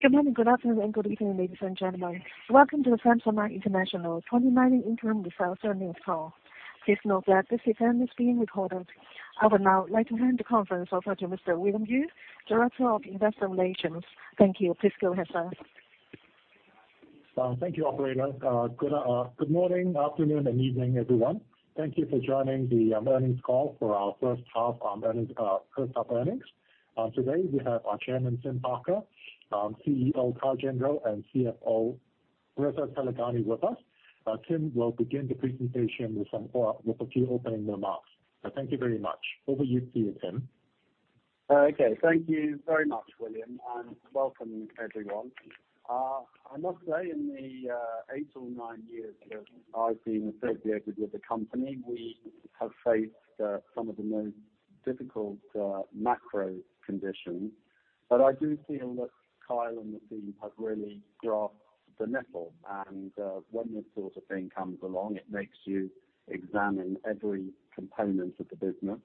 Good morning, good afternoon, and good evening, ladies and gentlemen. Welcome to the Samsonite International 2019 interim results earnings call. Please note that this event is being recorded. I would now like to hand the conference over to Mr. William Yue, Director of Investor Relations. Thank you. Please go ahead, sir. Thank you, operator. Good morning, afternoon, and evening, everyone. Thank you for joining the earnings call for our first half earnings. Today, we have our Chairman, Tim Parker, CEO Kyle Gendreau, and CFO Reza Taleghani with us. Tim will begin the presentation with a few opening remarks. Thank you very much. Over to you, Tim. Thank you very much, William, and welcome, everyone. I must say, in the eight or nine years that I've been associated with the company, we have faced some of the most difficult macro conditions. I do feel that Kyle and the team have really grasped the nettle, and when this sort of thing comes along, it makes you examine every component of the business.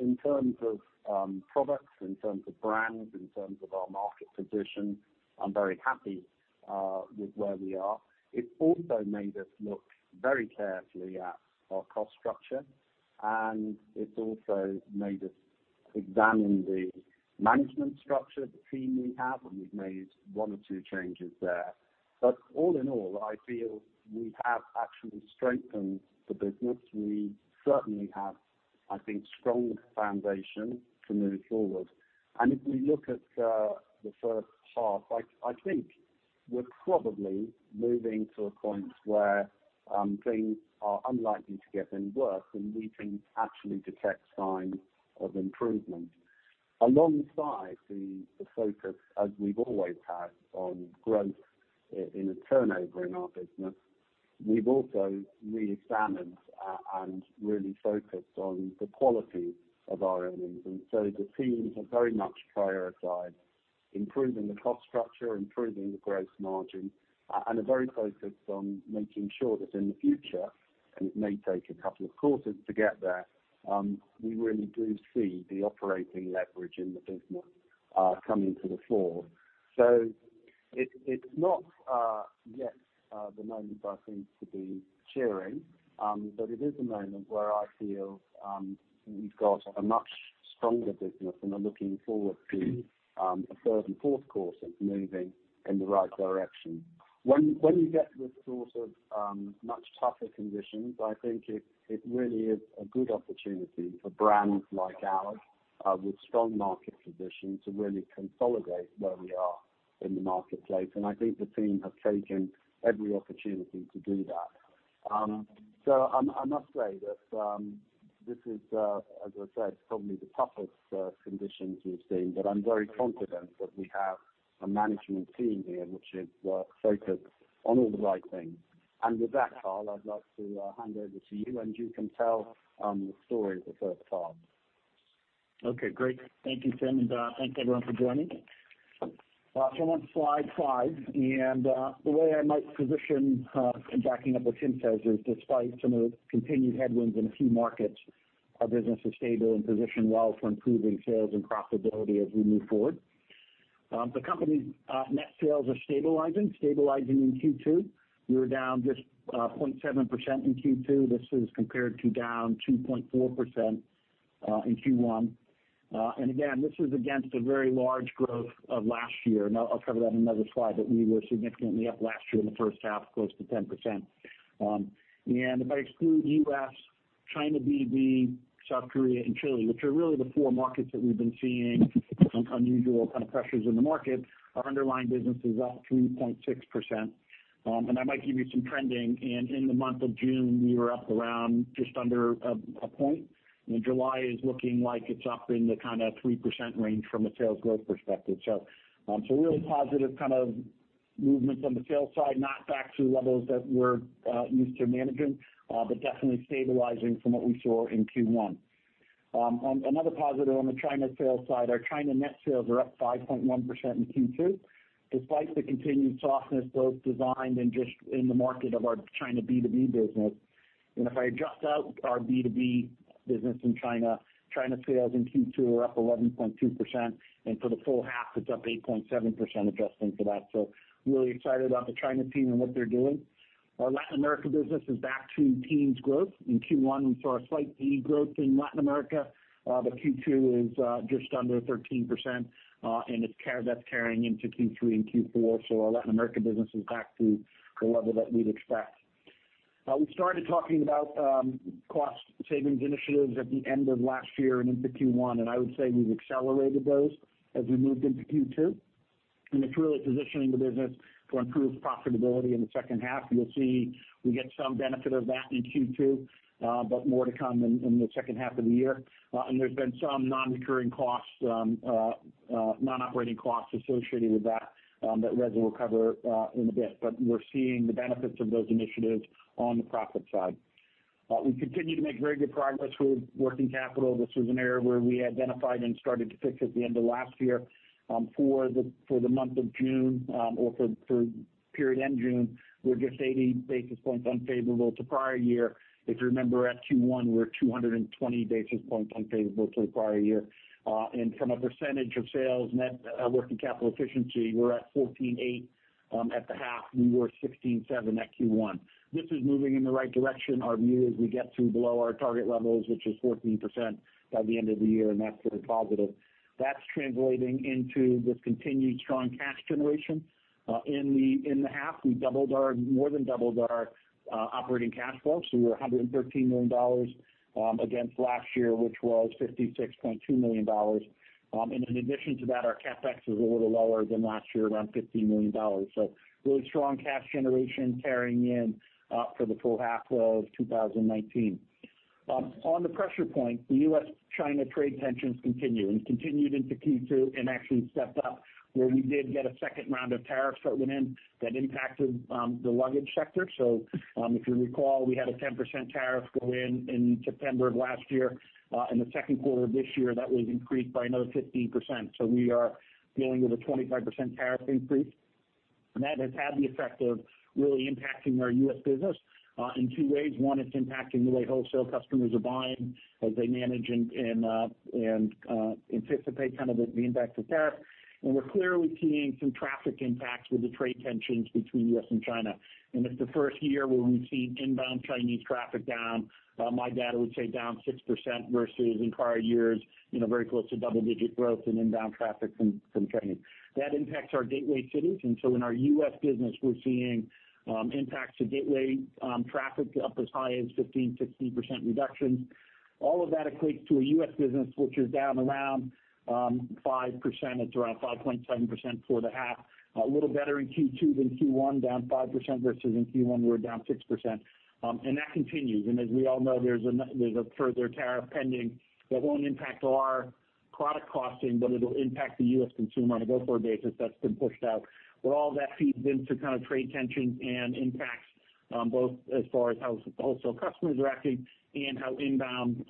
In terms of products, in terms of brands, in terms of our market position, I'm very happy with where we are. It's also made us look very carefully at our cost structure, and it's also made us examine the management structure, the team we have, and we've made one or two changes there. All in all, I feel we have actually strengthened the business. We certainly have, I think, strong foundations to move forward. If we look at the first half, I think we're probably moving to a point where things are unlikely to get any worse, and we can actually detect signs of improvement. Alongside the focus, as we've always had, on growth in turnover in our business, we've also re-examined and really focused on the quality of our earnings. The teams have very much prioritized improving the cost structure, improving the gross margin, and are very focused on making sure that in the future, and it may take a couple of quarters to get there, we really do see the operating leverage in the business coming to the fore. It's not yet the moment I think to be cheering, but it is a moment where I feel we've got a much stronger business and are looking forward to a third and fourth quarter to moving in the right direction. When you get these sorts of much tougher conditions, I think it really is a good opportunity for brands like ours with strong market position to really consolidate where we are in the marketplace. I think the team have taken every opportunity to do that. I must say that this is, as I said, probably the toughest conditions we've seen, but I'm very confident that we have a management team here which is focused on all the right things. With that, Kyle, I'd like to hand over to you, and you can tell the story of the first half. Okay, great. Thank you, Tim. Thanks, everyone, for joining. I'm on slide five, and the way I might position, and backing up what Tim says, is despite some continued headwinds in a few markets, our business is stable and positioned well for improving sales and profitability as we move forward. The company's net sales are stabilizing in Q2. We were down just 0.7% in Q2. This is compared to down 2.4% in Q1. Again, this is against a very large growth of last year. I'll cover that in another slide. We were significantly up last year in the first half, close to 10%. If I exclude U.S., China B2B, South Korea, and Chile, which are really the four markets that we've been seeing unusual kind of pressures in the market, our underlying business is up 3.6%. I might give you some trending. In the month of June, we were up around just under a point, July is looking like it's up in the kind of 3% range from a sales growth perspective. Really positive kind of movements on the sales side, not back to levels that we're used to managing, but definitely stabilizing from what we saw in Q1. Another positive on the China sales side, our China net sales are up 5.1% in Q2, despite the continued softness, both designed and just in the market of our China B2B business. If I adjust out our B2B business in China sales in Q2 are up 11.2%, and for the full half, it's up 8.7% adjusting for that. Really excited about the China team and what they're doing. Our Latin America business is back to teens growth. In Q1, we saw a slight de-growth in Latin America. Q2 is just under 13%, that's carrying into Q3 and Q4. Our Latin America business is back to the level that we'd expect. We started talking about cost savings initiatives at the end of last year and into Q1. I would say we've accelerated those as we moved into Q2, it's really positioning the business to improve profitability in the second half. You'll see we get some benefit of that in Q2, more to come in the second half of the year. There's been some non-recurring costs, non-operating costs associated with that that Reza will cover in a bit. We're seeing the benefits of those initiatives on the profit side. We continue to make very good progress with working capital. This was an area where we identified and started to fix at the end of last year. For the month of June, or for period end June, we're just 80 basis points unfavorable to prior year. If you remember, at Q1, we were 220 basis points unfavorable to the prior year. From a percentage of sales, net working capital efficiency, we're at 14.8 at the half. We were 16.7 at Q1. This is moving in the right direction. Our view is we get to below our target levels, which is 14%, by the end of the year, and that's very positive. That's translating into this continued strong cash generation. In the half, we more than doubled our operating cash flow, so we were $113 million against last year, which was $56.2 million. In addition to that, our CapEx is a little lower than last year, around $15 million. Really strong cash generation carrying in for the full half of 2019. On the pressure point, the U.S.-China trade tensions continue, and continued into Q2 and actually stepped up, where we did get a second round of tariffs that went in that impacted the luggage sector. If you recall, we had a 10% tariff go in in September of last year. In the second quarter of this year, that was increased by another 15%. We are dealing with a 25% tariff increase. That has had the effect of really impacting our U.S. business in two ways. One, it's impacting the way wholesale customers are buying as they manage and anticipate the impact of tariffs. We're clearly seeing some traffic impacts with the trade tensions between U.S. and China, and it's the first year where we've seen inbound Chinese traffic down. By my data, I would say down 6% versus in prior years, very close to double-digit growth in inbound traffic from China. That impacts our gateway cities. In our U.S. business, we're seeing impacts to gateway traffic up as high as 15%, 16% reductions. All of that equates to a U.S. business which is down around 5%. It's around 5.7% for the half. A little better in Q2 than Q1, down 5%, versus in Q1, we were down 6%. That continues. As we all know, there's a further tariff pending that won't impact our product costing, but it'll impact the U.S. consumer on a go-forward basis. That's been pushed out. All that feeds into trade tension and impacts both as far as how wholesale customers are acting and how inbound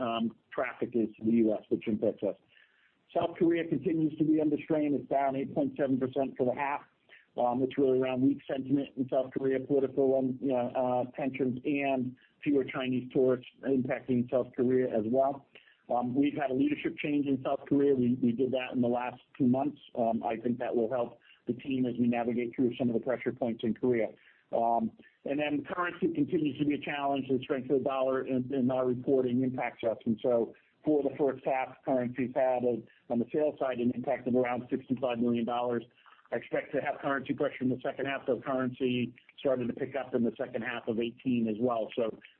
traffic is to the U.S., which impacts us. South Korea continues to be under strain. It's down 8.7% for the half. It's really around weak sentiment in South Korea, political tensions, and fewer Chinese tourists impacting South Korea as well. We've had a leadership change in South Korea. We did that in the last two months. I think that will help the team as we navigate through some of the pressure points in Korea. Currency continues to be a challenge. The strength of the dollar in our reporting impacts us. For the first half, currency had, on the sales side, an impact of around $65 million. I expect to have currency pressure in the second half, though currency started to pick up in the second half of 2018 as well.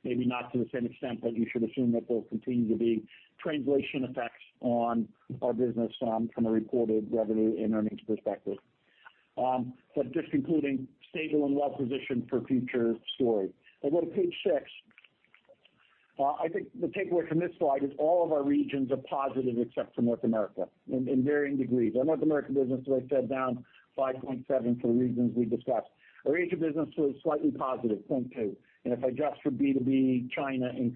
Maybe not to the same extent, but you should assume that there'll continue to be translation effects on our business from a reported revenue and earnings perspective. Just concluding, stable and well-positioned for future story. I go to page six. I think the takeaway from this slide is all of our regions are positive except for North America, in varying degrees. Our North American business, as I said, down 5.7 for the reasons we discussed. Our Asia business was slightly positive, 0.2. If I adjust for B2B China and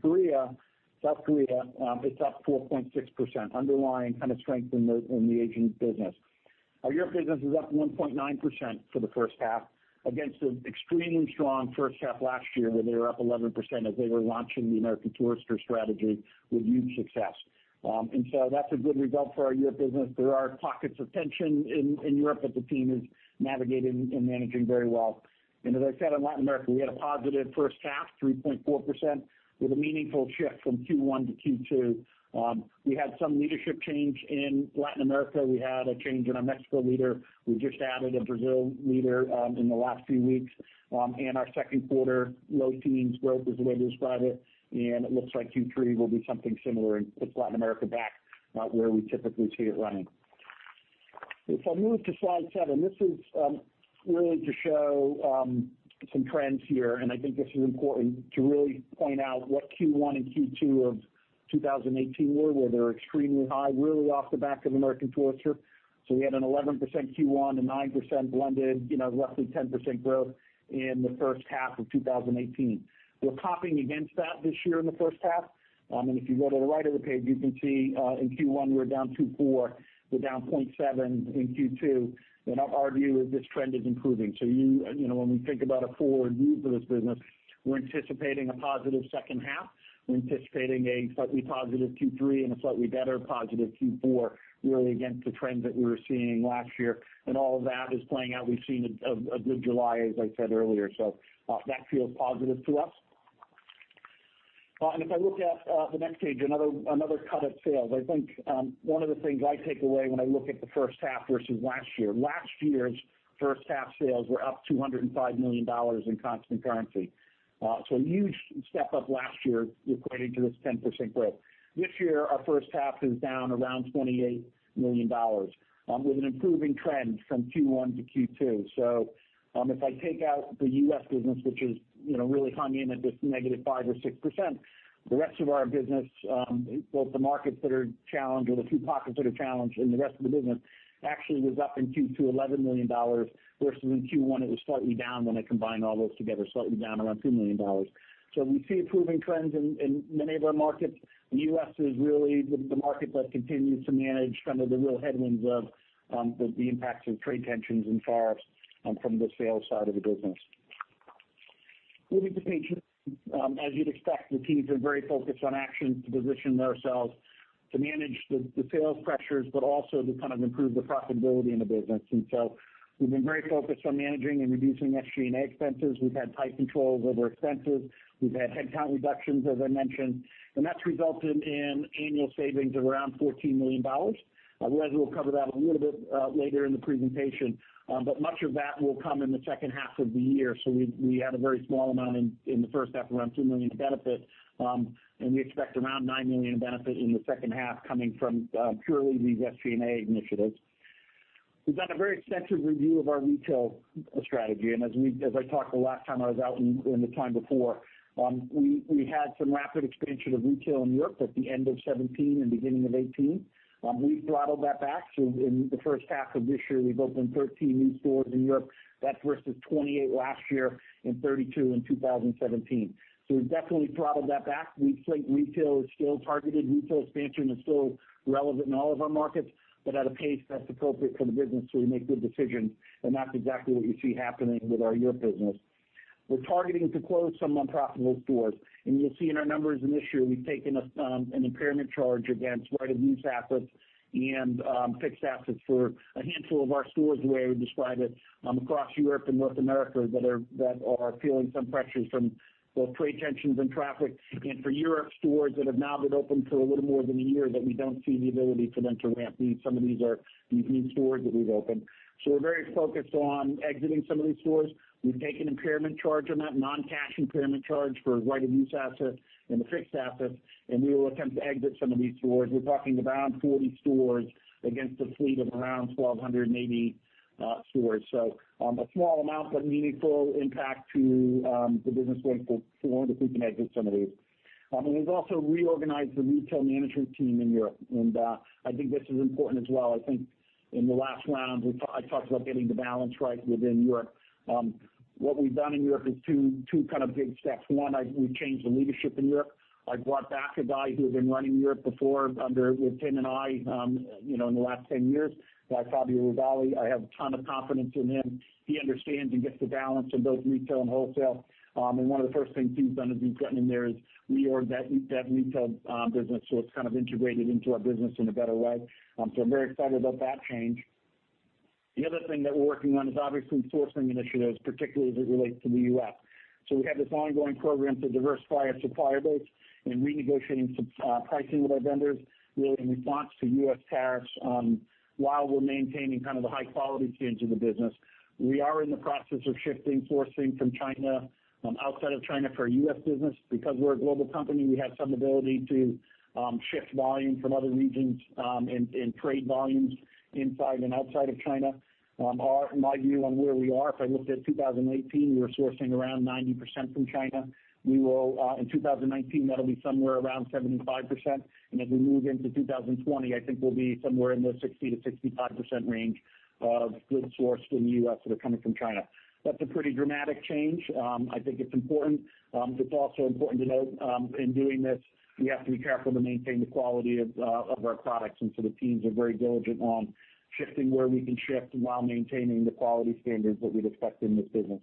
South Korea, it's up 4.6%. Underlying strength in the Asian business. Our Europe business is up 1.9% for the first half against an extremely strong first half last year, where they were up 11% as they were launching the American Tourister strategy with huge success. That's a good result for our Europe business. There are pockets of tension in Europe that the team is navigating and managing very well. As I said, in Latin America, we had a positive first half, 3.4%, with a meaningful shift from Q1 to Q2. We had some leadership change in Latin America. We had a change in our Mexico leader. We just added a Brazil leader in the last few weeks. Our second quarter low teens growth is the way to describe it, and it looks like Q3 will be something similar and puts Latin America back where we typically see it running. If I move to slide seven, this is really to show some trends here, and I think this is important to really point out what Q1 and Q2 of 2018 were, where they were extremely high, really off the back of American Tourister. We had an 11% Q1 and 9% blended, roughly 10% growth in the first half of 2018. We're copying against that this year in the first half. If you go to the right of the page, you can see in Q1, we were down 2.4. We're down 0.7 in Q2. Our view is this trend is improving. When we think about a forward view for this business, we're anticipating a positive second half. We're anticipating a slightly positive Q3 and a slightly better positive Q4, really against the trends that we were seeing last year. All of that is playing out. We've seen a good July, as I said earlier. That feels positive to us. If I look at the next page, another cut of sales. I think one of the things I take away when I look at the first half versus last year, last year's first half sales were up $205 million in constant currency. A huge step up last year equating to this 10% growth. This year, our first half is down around $28 million, with an improving trend from Q1 to Q2. If I take out the U.S. business, which is really hung in at just -5% or -6%, the rest of our business, both the markets that are challenged or the few pockets that are challenged, and the rest of the business actually was up in Q2 $11 million, versus in Q1, it was slightly down when I combined all those together, slightly down around $2 million. We see improving trends in many of our markets. The U.S. is really the market that continues to manage some of the real headwinds of the impacts of trade tensions and tariffs from the sales side of the business. We'll get to page two. As you'd expect, the teams are very focused on actions to position ourselves to manage the sales pressures, but also to improve the profitability in the business. We've been very focused on managing and reducing SG&A expenses. We've had tight controls over expenses. We've had headcount reductions, as I mentioned, and that's resulted in annual savings of around $14 million. We'll cover that a little bit later in the presentation. Much of that will come in the second half of the year. We had a very small amount in the first half, around $2 million benefit. We expect around $9 million benefit in the second half coming from purely these SG&A initiatives. We've done a very extensive review of our retail strategy. As I talked the last time I was out and the time before, we had some rapid expansion of retail in Europe at the end of 2017 and beginning of 2018. We've throttled that back. In the first half of this year, we've opened 13 new stores in Europe. That's versus 28 last year and 32 in 2017. We've definitely throttled that back. We think retail is still targeted. Retail expansion is still relevant in all of our markets, but at a pace that's appropriate for the business so we make good decisions, and that's exactly what you see happening with our Europe business. We're targeting to close some unprofitable stores. You'll see in our numbers in this year, we've taken an impairment charge against right-of-use assets and fixed assets for a handful of our stores where we describe it across Europe and North America that are feeling some pressures from both trade tensions and traffic. For Europe, stores that have now been open for a little more than a year that we don't see the ability for them to ramp. Some of these are new stores that we've opened. We're very focused on exiting some of these stores. We've taken impairment charge on that, non-cash impairment charge for right-of-use asset and the fixed asset. We will attempt to exit some of these stores. We're talking around 40 stores against a fleet of around 1,280 stores. A small amount, but meaningful impact to the business going forward if we can exit some of these. We've also reorganized the retail management team in Europe, and I think this is important as well. I think in the last round, I talked about getting the balance right within Europe. What we've done in Europe is two big steps. One, we changed the leadership in Europe. I brought back a guy who had been running Europe before with Tim and I in the last 10 years, Fabio Rugarli. I have a ton of confidence in him. He understands and gets the balance of both retail and wholesale. One of the first things he's done since getting in there is reorg that retail business, so it's integrated into our business in a better way. I'm very excited about that change. The other thing that we're working on is obviously sourcing initiatives, particularly as it relates to the U.S. We have this ongoing program to diversify our supplier base and renegotiating pricing with our vendors, really in response to U.S. tariffs, while we're maintaining the high quality standards of the business. We are in the process of shifting sourcing from China, outside of China for U.S. business. Because we're a global company, we have some ability to shift volume from other regions, and trade volumes inside and outside of China. My view on where we are, if I looked at 2018, we were sourcing around 90% from China. In 2019, that'll be somewhere around 75%. As we move into 2020, I think we'll be somewhere in the 60%-65% range of goods sourced in the U.S. that are coming from China. That's a pretty dramatic change. I think it's important. It's also important to note, in doing this, we have to be careful to maintain the quality of our products. The teams are very diligent on shifting where we can shift while maintaining the quality standards that we'd expect in this business.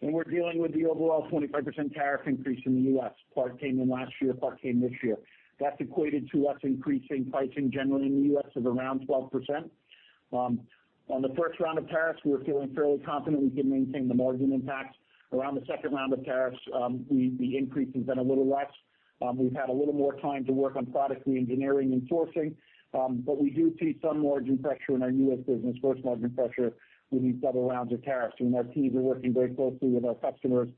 We're dealing with the overall 25% tariff increase in the U.S. Part came in last year, part came this year. That's equated to us increasing pricing generally in the U.S. of around 12%. On the first round of tariffs, we were feeling fairly confident we could maintain the margin impact. Around the second round of tariffs, the increase has been a little less. We've had a little more time to work on product re-engineering and sourcing. We do see some margin pressure in our U.S. business, gross margin pressure with these double rounds of tariffs. Our teams are working very closely with our customers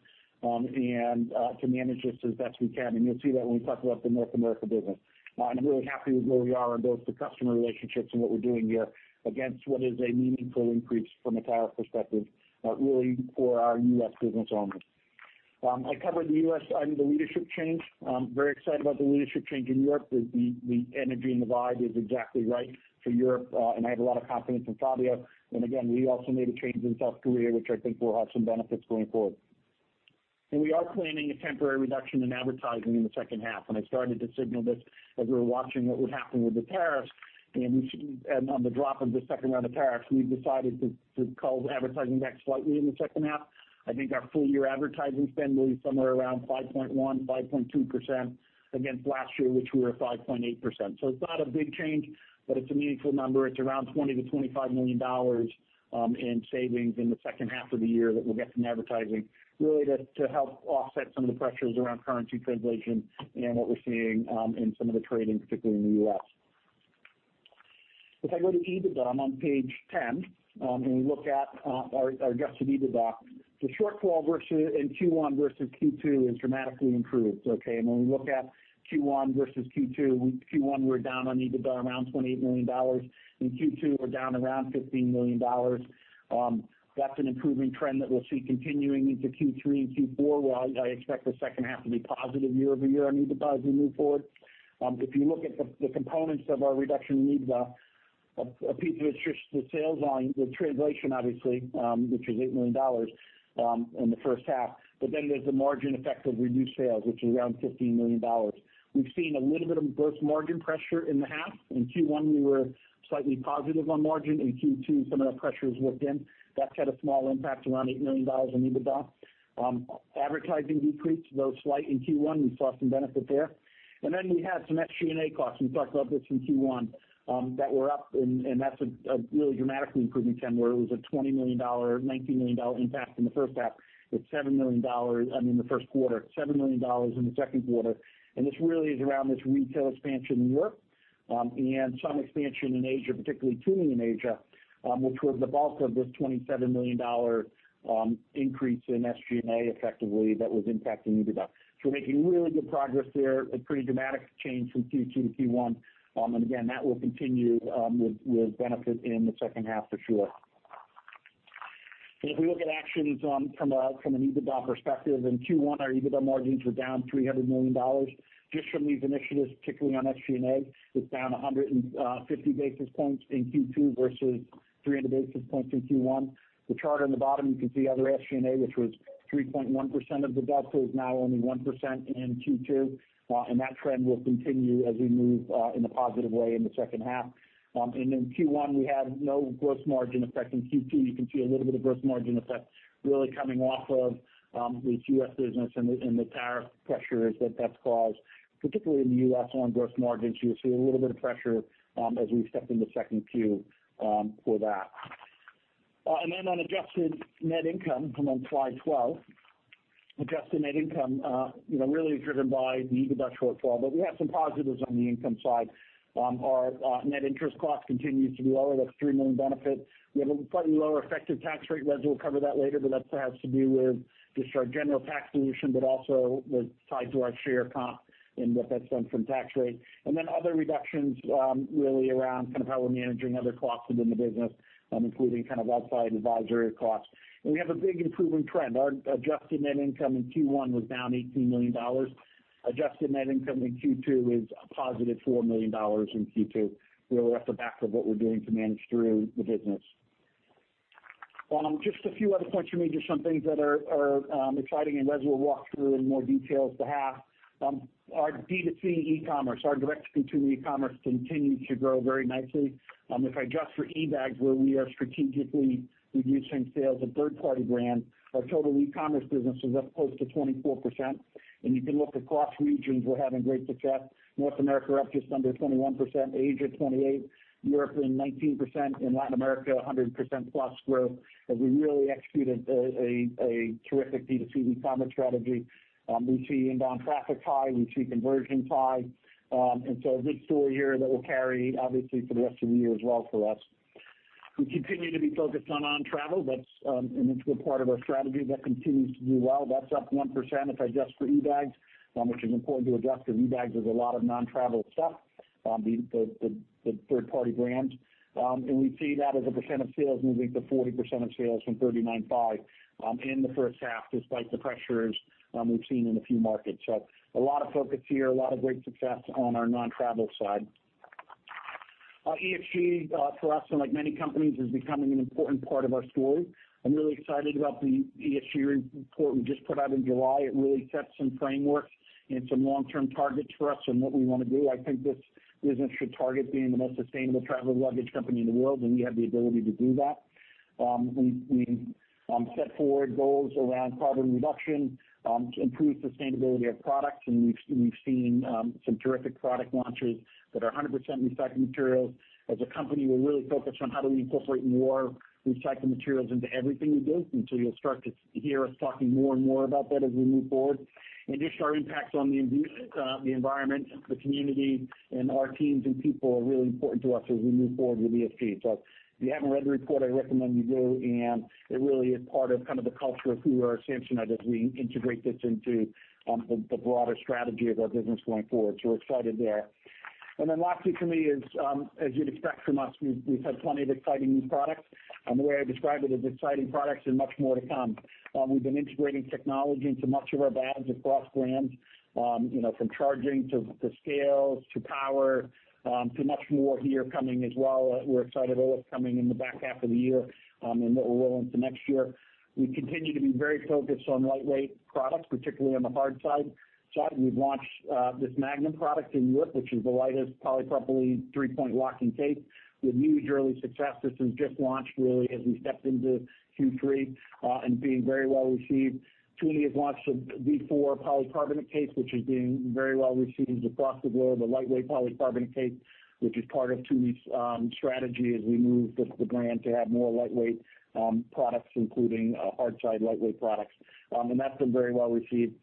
to manage this as best we can. You'll see that when we talk about the North America business. I'm really happy with where we are on both the customer relationships and what we're doing here against what is a meaningful increase from a tariff perspective, really for our U.S. business only. I covered the U.S. side and the leadership change. Very excited about the leadership change in Europe. The energy and the vibe is exactly right for Europe, and I have a lot of confidence in Fabio. Again, we also made a change in South Korea, which I think will have some benefits going forward. We are planning a temporary reduction in advertising in the second half. I started to signal this as we were watching what would happen with the tariffs. On the drop of the second round of tariffs, we've decided to cull the advertising back slightly in the second half. I think our full-year advertising spend will be somewhere around 5.1%, 5.2% against last year, which we were at 5.8%. It's not a big change, but it's a meaningful number. It's around $20 million-$25 million in savings in the second half of the year that we'll get from advertising, really to help offset some of the pressures around currency translation and what we're seeing in some of the trading, particularly in the U.S. If I go to EBITDA, I'm on page 10, and we look at our adjusted EBITDA. The shortfall in Q1 versus Q2 is dramatically improved, okay. When we look at Q1 versus Q2, Q1 we're down on EBITDA around $28 million. In Q2, we're down around $15 million. That's an improving trend that we'll see continuing into Q3 and Q4, where I expect the second half to be positive year-over-year on EBITDA as we move forward. If you look at the components of our reduction in EBITDA, a piece of it's just the sales volume with translation, obviously, which was $8 million in the first half. There's the margin effect of reduced sales, which is around $15 million. We've seen a little bit of gross margin pressure in the half. In Q1, we were slightly positive on margin. In Q2, some of that pressure is whipped in. That's had a small impact, around $8 million in EBITDA. Advertising decreased, though slight, in Q1, we saw some benefit there. Then we had some SG&A costs, we talked about this in Q1, that were up, that's a really dramatic improvement, Ken, where it was a $20 million, $19 million impact in the first half. It's $7 million, I mean, the first quarter, $7 million in the second quarter. This really is around this retail expansion in Europe, some expansion in Asia, particularly Tumi in Asia, which was the bulk of this $27 million increase in SG&A, effectively, that was impacting EBITDA. We're making really good progress there. A pretty dramatic change from Q2 to Q1. Again, that will continue with benefit in the second half for sure. If we look at actions from an EBITDA perspective, in Q1, our EBITDA margins were down $300 million just from these initiatives, particularly on SG&A. It's down 150 basis points in Q2 versus 300 basis points in Q1. The chart on the bottom, you can see other SG&A, which was 3.1% of the EBITDA, is now only 1% in Q2. That trend will continue as we move in a positive way in the second half. In Q1, we had no gross margin effect. In Q2, you can see a little bit of gross margin effect really coming off of the U.S. business and the tariff pressures that that's caused, particularly in the U.S. on gross margins. You'll see a little bit of pressure as we step into Q2 for that. On adjusted net income, come on slide 12. Adjusted net income, really driven by the EBITDA shortfall, but we have some positives on the income side. Our net interest cost continues to be lower. That's $3 million benefit. We have a slightly lower effective tax rate. Wes will cover that later, but that has to do with just our general tax position, but also was tied to our share comp and what that's done from tax rate. Then other reductions really around how we're managing other costs within the business, including outside advisory costs. We have a big improving trend. Our adjusted net income in Q1 was down $18 million. Adjusted net income in Q2 is a positive $4 million in Q2. Really off the back of what we're doing to manage through the business. Just a few other points for me, just some things that are exciting, and Wes will walk through in more details the half. Our D2C e-commerce, our direct-to-consumer e-commerce continues to grow very nicely. If I adjust for eBags, where we are strategically reducing sales of third-party brands, our total e-commerce business is up close to 24%. You can look across regions, we're having great success. North America, up just under 21%, Asia 28%, Europe 19%, and Latin America 100%-plus growth, as we really executed a terrific D2C e-commerce strategy. We see inbound traffic high, we see conversion high. A good story here that will carry, obviously, for the rest of the year as well for us. We continue to be focused on non-travel. That's an integral part of our strategy that continues to do well. That's up 1% if I adjust for eBags, which is important to adjust because eBags is a lot of non-travel stuff, the third-party brands. We see that as a percent of sales moving to 40% of sales from 39.5% in the first half, despite the pressures we've seen in a few markets. A lot of focus here, a lot of great success on our non-travel side. ESG, for us and like many companies, is becoming an important part of our story. I'm really excited about the ESG report we just put out in July. It really sets some framework and some long-term targets for us on what we want to do. I think this business should target being the most sustainable travel luggage company in the world, and we have the ability to do that. We set forward goals around carbon reduction to improve sustainability of products, and we've seen some terrific product launches that are 100% recycled materials. As a company, we're really focused on how do we incorporate more recycled materials into everything we do. You'll start to hear us talking more and more about that as we move forward. Just our impacts on the environment, the community, and our teams and people are really important to us as we move forward with ESG. If you haven't read the report, I recommend you do, and it really is part of the culture of who we are at Samsonite as we integrate this into the broader strategy of our business going forward. We're excited there. Lastly for me is, as you'd expect from us, we've had plenty of exciting new products. The way I describe it is exciting products and much more to come. We've been integrating technology into much of our bags across brands. From charging to scales to power, to much more here coming as well. We're excited about what's coming in the back half of the year and what we'll roll into next year. We continue to be very focused on lightweight products, particularly on the hard side. We've launched this Magnum product in Europe, which is the lightest polypropylene 3-point locking case with huge early success. This was just launched, really, as we stepped into Q3 and being very well received. Tumi has launched a V4 polycarbonate case, which is being very well received across the globe, a lightweight polycarbonate case, which is part of Tumi's strategy as we move the brand to have more lightweight products, including hardside lightweight products. That's been very well received.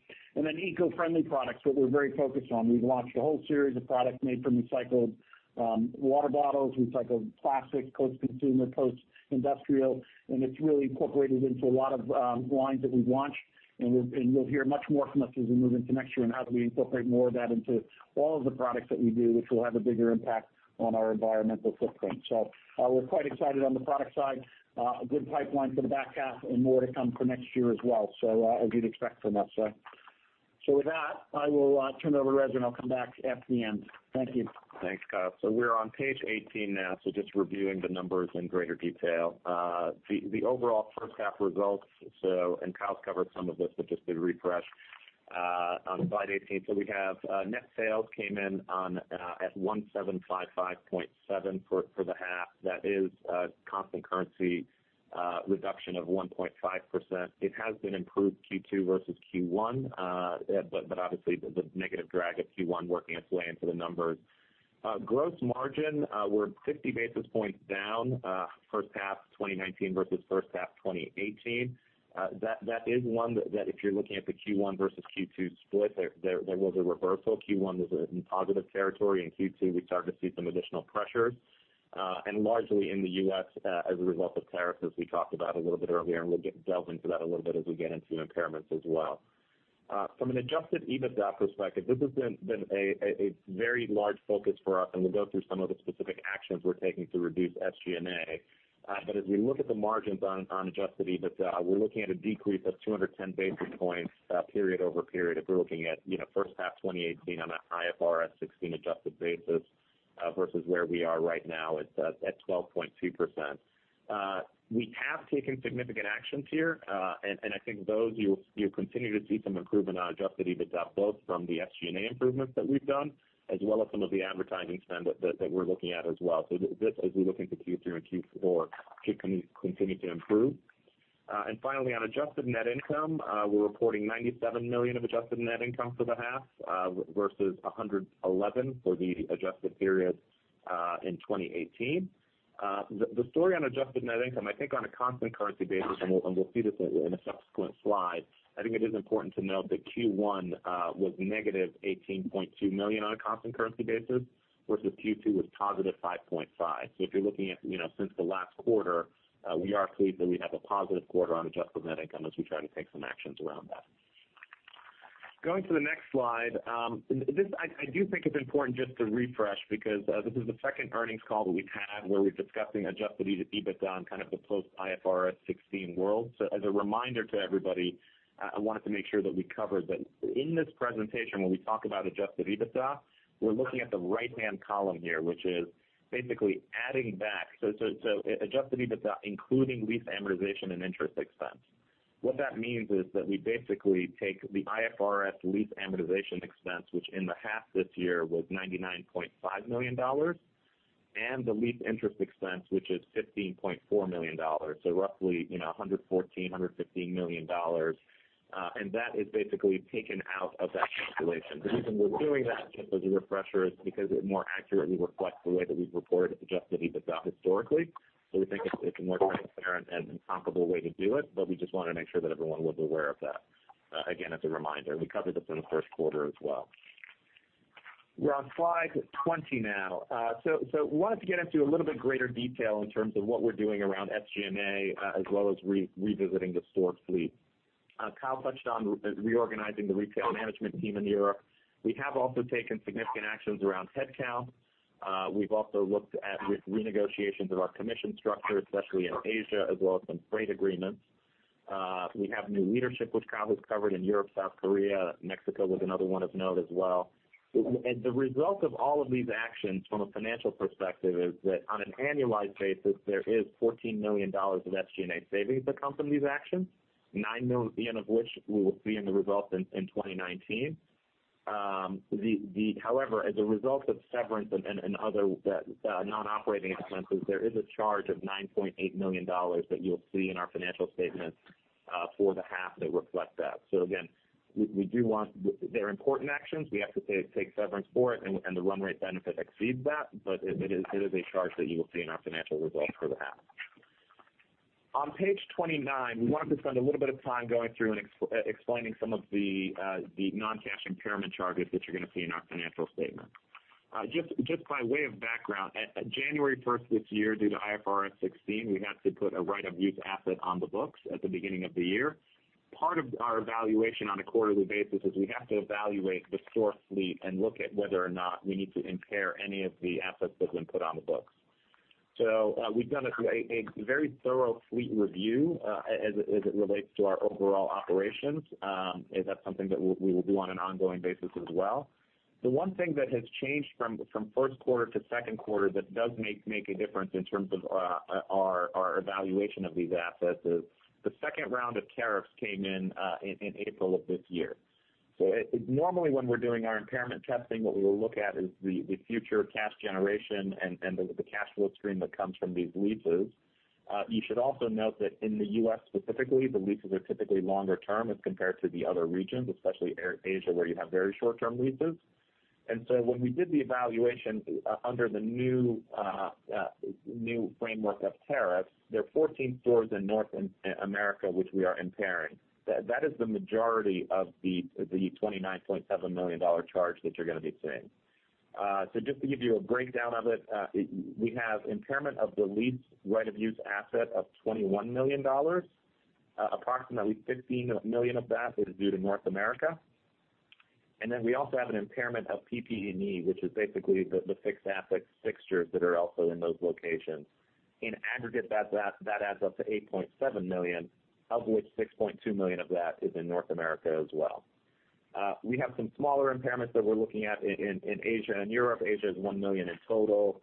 Eco-friendly products that we're very focused on. We've launched a whole series of products made from recycled water bottles, recycled plastic, post-consumer, post-industrial, and it's really incorporated into a lot of lines that we've launched. You'll hear much more from us as we move into next year on how do we incorporate more of that into all of the products that we do, which will have a bigger impact on our environmental footprint. We're quite excited on the product side. A good pipeline for the back half and more to come for next year as well. As you'd expect from us. With that, I will turn it over to Reza, and I'll come back at the end. Thank you. Thanks, Kyle. We're on page 18 now, just reviewing the numbers in greater detail. The overall first half results, and Kyle's covered some of this, but just to refresh. On slide 18, we have net sales came in at $1,755.7 for the half. That is a constant currency reduction of 1.5%. It has been improved Q2 versus Q1, but obviously, the negative drag of Q1 working its way into the numbers. Gross margin, we're 50 basis points down first half 2019 versus first half 2018. That is one that if you're looking at the Q1 versus Q2 split, there was a reversal. Q1 was in positive territory, in Q2, we started to see some additional pressures. Largely in the U.S., as a result of tariffs, as we talked about a little bit earlier, we'll delve into that a little bit as we get into impairments as well. From an adjusted EBITDA perspective, this has been a very large focus for us, we'll go through some of the specific actions we're taking to reduce SG&A. As we look at the margins on adjusted EBITDA, we're looking at a decrease of 210 basis points period-over-period, if we're looking at first half 2018 on an IFRS 16 adjusted basis versus where we are right now at 12.2%. We have taken significant actions here. I think you'll continue to see some improvement on adjusted EBITDA, both from the SG&A improvements that we've done, as well as some of the advertising spend that we're looking at as well. This, as we look into Q3 and Q4, should continue to improve. Finally, on adjusted net income, we're reporting $97 million of adjusted net income for the half versus $111 million for the adjusted period in 2018. The story on adjusted net income, I think on a constant currency basis, and we'll see this in a subsequent slide, I think it is important to note that Q1 was negative $18.2 million on a constant currency basis versus Q2 was positive $5.5 million. If you're looking at since the last quarter, we are pleased that we have a positive quarter on adjusted net income as we try to take some actions around that. Going to the next slide. This, I do think it's important just to refresh because this is the second earnings call that we've had where we're discussing adjusted EBITDA in kind of the post-IFRS 16 world. As a reminder to everybody, I wanted to make sure that we covered that in this presentation, when we talk about adjusted EBITDA, we're looking at the right-hand column here, which is basically adding back. Adjusted EBITDA, including lease amortization and interest expense. What that means is that we basically take the IFRS lease amortization expense, which in the half this year was $99.5 million, and the lease interest expense, which is $15.4 million. Roughly, $114 million-$115 million. That is basically taken out of that calculation. The reason we're doing that, just as a refresher, is because it more accurately reflects the way that we've reported adjusted EBITDA historically. We think it's a more transparent and comparable way to do it, but we just wanted to make sure that everyone was aware of that. Again, as a reminder. We covered this in the first quarter as well. We're on slide 20 now. Wanted to get into a little bit greater detail in terms of what we're doing around SG&A, as well as revisiting the store fleet. Kyle touched on reorganizing the retail management team in Europe. We have also taken significant actions around headcount. We've also looked at renegotiations of our commission structure, especially in Asia, as well as some freight agreements. We have new leadership, which Kyle has covered in Europe, South Korea, Mexico was another one of note as well. The result of all of these actions from a financial perspective is that on an annualized basis, there is $14 million of SG&A savings that come from these actions. $9 million of which we will see in the results in 2019. However, as a result of severance and other non-operating expenses, there is a charge of $9.8 million that you'll see in our financial statements for the half that reflect that. Again, they're important actions. We have to take severance for it, and the run rate benefit exceeds that, but it is a charge that you will see in our financial results for the half. On page 29, we wanted to spend a little bit of time going through and explaining some of the non-cash impairment charges that you're going to see in our financial statement. Just by way of background, at January 1st this year, due to IFRS 16, we have to put a right-of-use asset on the books at the beginning of the year. Part of our evaluation on a quarterly basis is we have to evaluate the store fleet and look at whether or not we need to impair any of the assets that have been put on the books. We've done a very thorough fleet review as it relates to our overall operations. That's something that we will do on an ongoing basis as well. The one thing that has changed from first quarter to second quarter that does make a difference in terms of our evaluation of these assets is the second round of tariffs came in in April of this year. Normally when we're doing our impairment testing, what we will look at is the future cash generation and the cash flow stream that comes from these leases. You should also note that in the U.S. specifically, the leases are typically longer term as compared to the other regions, especially Asia, where you have very short-term leases. When we did the evaluation under the new framework of tariffs, there are 14 stores in North America which we are impairing. That is the majority of the $29.7 million charge that you're going to be seeing. Just to give you a breakdown of it, we have impairment of the lease right-of-use asset of $21 million. Approximately $15 million of that is due to North America. We also have an impairment of PP&E, which is basically the fixed asset fixtures that are also in those locations. In aggregate, that adds up to $8.7 million, of which $6.2 million of that is in North America as well. We have some smaller impairments that we're looking at in Asia and Europe. Asia is $1 million in total.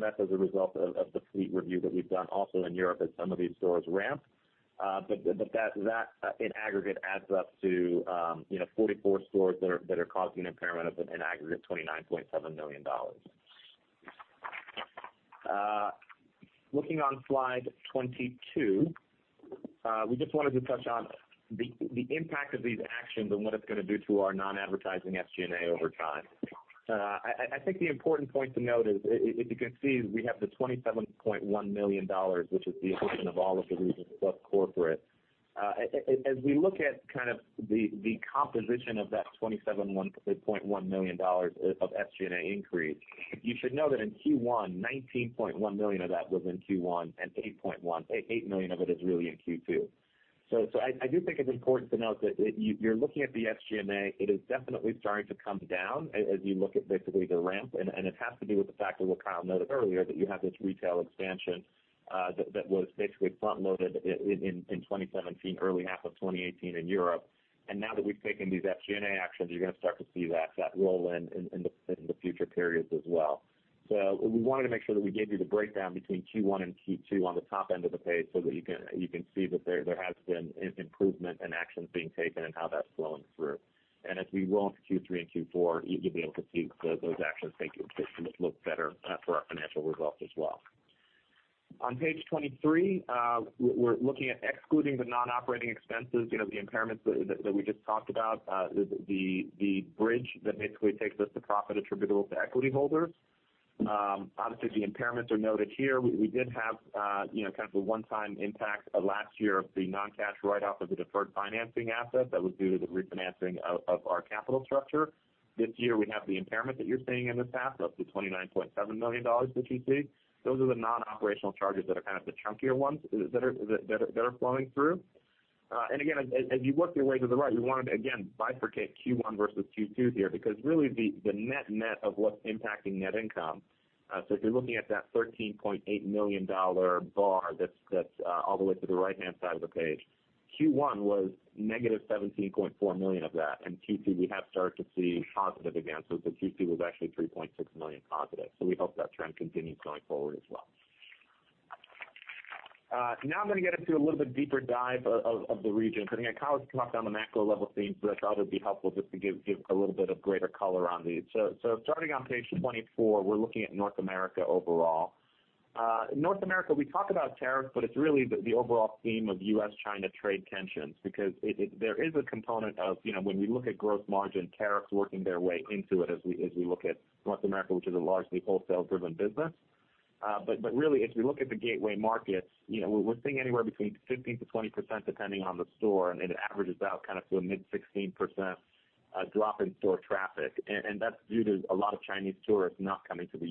That's as a result of the fleet review that we've done also in Europe as some of these stores ramp. That in aggregate adds up to 44 stores that are causing impairment of an aggregate $29.7 million. Looking on slide 22. We just wanted to touch on the impact of these actions and what it's going to do to our non-advertising SG&A over time. I think the important point to note is, if you can see, we have the $27.1 million, which is the addition of all of the regions plus corporate. As we look at kind of the composition of that $27.1 million of SG&A increase, you should know that in Q1, $19.1 million of that was in Q1, and $8 million of it is really in Q2. I do think it's important to note that you're looking at the SG&A, it is definitely starting to come down as you look at basically the ramp. It has to do with the fact of what Kyle noted earlier, that you have this retail expansion that was basically front-loaded in 2017, early half of 2018 in Europe. Now that we've taken these SG&A actions, you're going to start to see that roll in the future periods as well. We wanted to make sure that we gave you the breakdown between Q1 and Q2 on the top end of the page, so that you can see that there has been improvement and actions being taken and how that's flowing through. As we roll into Q3 and Q4, you'll be able to see those actions make it look better for our financial results as well. On page 23, we're looking at excluding the non-operating expenses, the impairments that we just talked about, the bridge that basically takes us to profit attributable to equity holders. Obviously, the impairments are noted here. We did have kind of the one-time impact of last year of the non-cash write-off of the deferred financing asset that was due to the refinancing of our capital structure. This year, we have the impairment that you're seeing in this half, up to $29.7 million that you see. Those are the non-operational charges that are kind of the chunkier ones that are flowing through. Again, as you work your way to the right, we wanted to, again, bifurcate Q1 versus Q2 here, because really the net of what's impacting net income. If you're looking at that $13.8 million bar that's all the way to the right-hand side of the page. Q1 was negative $17.4 million of that, and Q2, we have started to see positive again. Q2 was actually $3.6 million positive. I'm going to get into a little bit deeper dive of the regions. Kyle has talked on the macro level themes, but I thought it would be helpful just to give a little bit of greater color on these. Starting on page 24, we're looking at North America overall. North America, we talk about tariffs, but it's really the overall theme of U.S.-China trade tensions because there is a component of, when we look at gross margin, tariffs working their way into it as we look at North America, which is a largely wholesale-driven business. Really, as we look at the gateway markets, we're seeing anywhere between 15%-20% depending on the store, and it averages out kind of to a mid-16% drop in store traffic. That's due to a lot of Chinese tourists not coming to the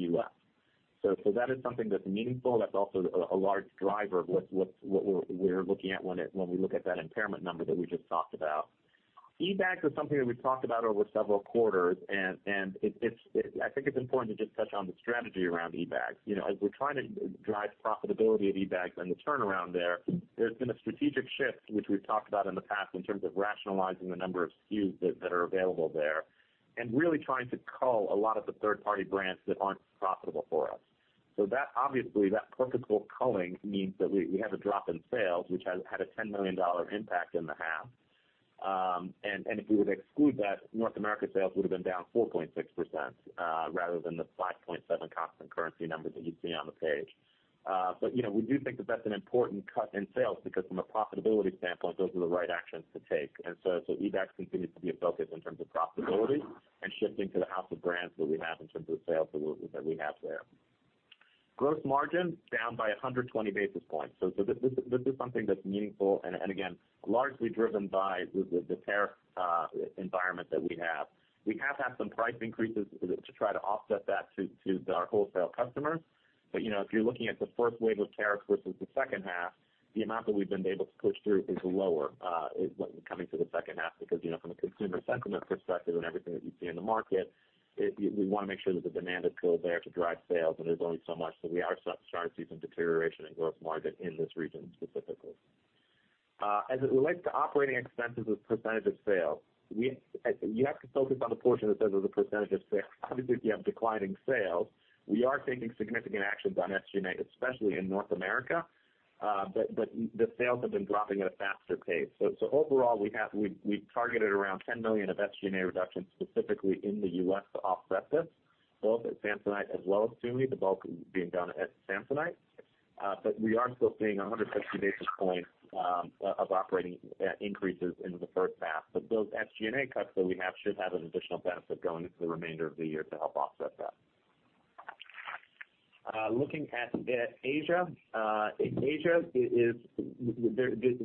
U.S. That is something that's meaningful. That's also a large driver of what we're looking at when we look at that impairment number that we just talked about. eBags is something that we've talked about over several quarters, and I think it's important to just touch on the strategy around eBags. As we're trying to drive profitability at eBags and the turnaround there's been a strategic shift, which we've talked about in the past, in terms of rationalizing the number of SKUs that are available there. Really trying to cull a lot of the third-party brands that aren't profitable for us. Obviously, that purposeful culling means that we had a drop in sales, which had a $10 million impact in the half. If we were to exclude that, North America sales would have been down 4.6%, rather than the 5.7% constant currency number that you see on the page. We do think that that's an important cut in sales because from a profitability standpoint, those are the right actions to take. eBags continues to be a focus in terms of profitability and shifting to the house of brands that we have in terms of sales that we have there. Gross margin is down by 120 basis points. This is something that's meaningful and again, largely driven by the tariff environment that we have. We have had some price increases to try to offset that to our wholesale customers. If you're looking at the first wave of tariffs versus the second half, the amount that we've been able to push through is lower coming to the second half because, from a consumer sentiment perspective and everything that you see in the market, we want to make sure that the demand is still there to drive sales and there's only so much. We are starting to see some deterioration in gross margin in this region specifically. As it relates to operating expenses as a percentage of sales, you have to focus on the portion that says as a percentage of sales. Obviously, if you have declining sales, we are taking significant actions on SG&A, especially in North America, but the sales have been dropping at a faster pace. Overall, we've targeted around $10 million of SG&A reduction specifically in the U.S. to offset this, both at Samsonite as well as Tumi, the bulk being done at Samsonite. We are still seeing 160 basis points of operating increases in the first half. Those SG&A cuts that we have should have an additional benefit going into the remainder of the year to help offset that. Looking at Asia.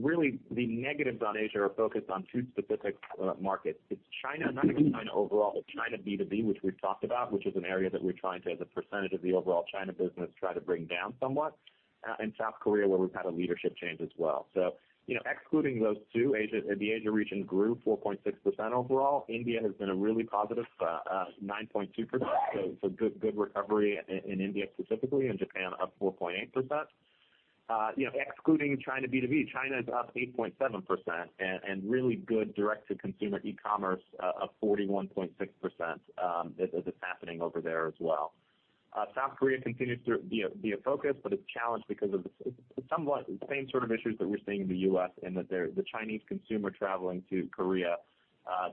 Really, the negatives on Asia are focused on two specific markets. It's China, not even China overall, but China B2B, which we've talked about, which is an area that we're trying to, as a percentage of the overall China business, try to bring down somewhat. In South Korea where we've had a leadership change as well. Excluding those two, the Asia region grew 4.6% overall. India has been really positive, 9.2%, so good recovery in India specifically, and Japan up 4.8%. Excluding China B2B, China is up 8.7%, and really good direct-to-consumer e-commerce, up 41.6%, is happening over there as well. South Korea continues to be a focus, but it's challenged because of somewhat the same sort of issues that we're seeing in the U.S. in that the Chinese consumer traveling to Korea.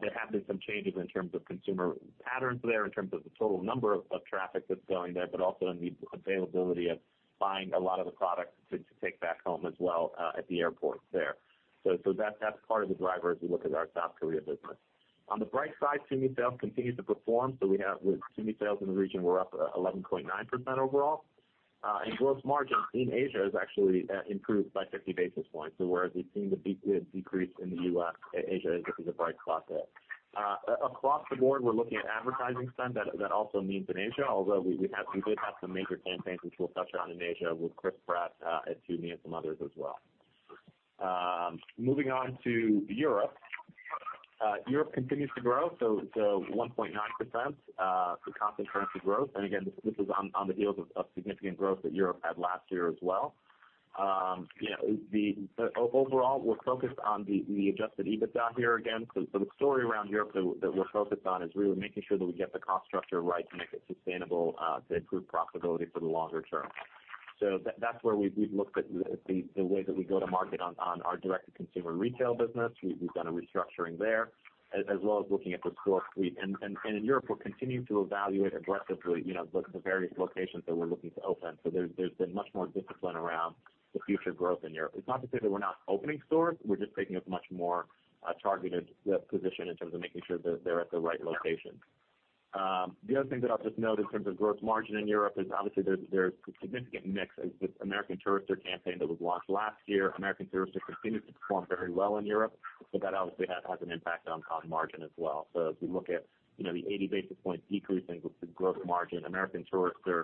There have been some changes in terms of consumer patterns there, in terms of the total number of traffic that's going there, but also in the availability of buying a lot of the product to take back home as well at the airport there. That's part of the driver as we look at our South Korea business. On the bright side, Tumi sales continue to perform. With Tumi sales in the region, we're up 11.9% overall. Gross margin in Asia has actually improved by 50 basis points. Whereas we've seen the decrease in the U.S., Asia is a bright spot there. Across the board, we're looking at advertising spend. That also means in Asia, although we did have some major campaigns which we'll touch on in Asia with Chris Pratt at Tumi and some others as well. Moving on to Europe. Europe continues to grow, 1.9% for constant currency growth. Again, this is on the heels of significant growth that Europe had last year as well. Overall, we're focused on the adjusted EBITDA here again, because the story around Europe that we're focused on is really making sure that we get the cost structure right to make it sustainable to improve profitability for the longer term. That's where we've looked at the way that we go to market on our direct-to-consumer retail business. We've done a restructuring there, as well as looking at the store suite. In Europe, we're continuing to evaluate aggressively the various locations that we're looking to open. There's been much more discipline around the future growth in Europe. It's not to say that we're not opening stores. We're just taking a much more targeted position in terms of making sure that they're at the right location. The other thing that I'll just note in terms of gross margin in Europe is obviously there's significant mix. The American Tourister campaign that was launched last year, American Tourister continues to perform very well in Europe. That obviously has an impact on gross margin as well. As we look at the 80 basis point decrease in the gross margin, American Tourister,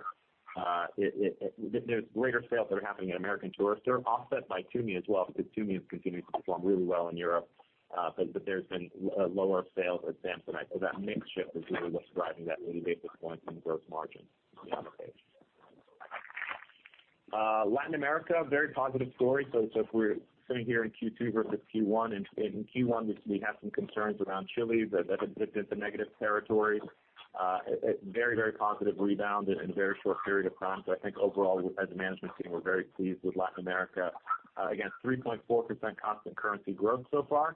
there's greater sales that are happening at American Tourister offset by Tumi as well, because Tumi has continued to perform really well in Europe. There's been lower sales at Samsonite. That mix shift is really what's driving that 80 basis point in gross margin on the page. Latin America, very positive story. If we're sitting here in Q2 versus Q1, in Q1, we had some concerns around Chile that had dipped into negative territory. A very positive rebound in a very short period of time. I think overall, as a management team, we're very pleased with Latin America. Again, 3.4% constant currency growth so far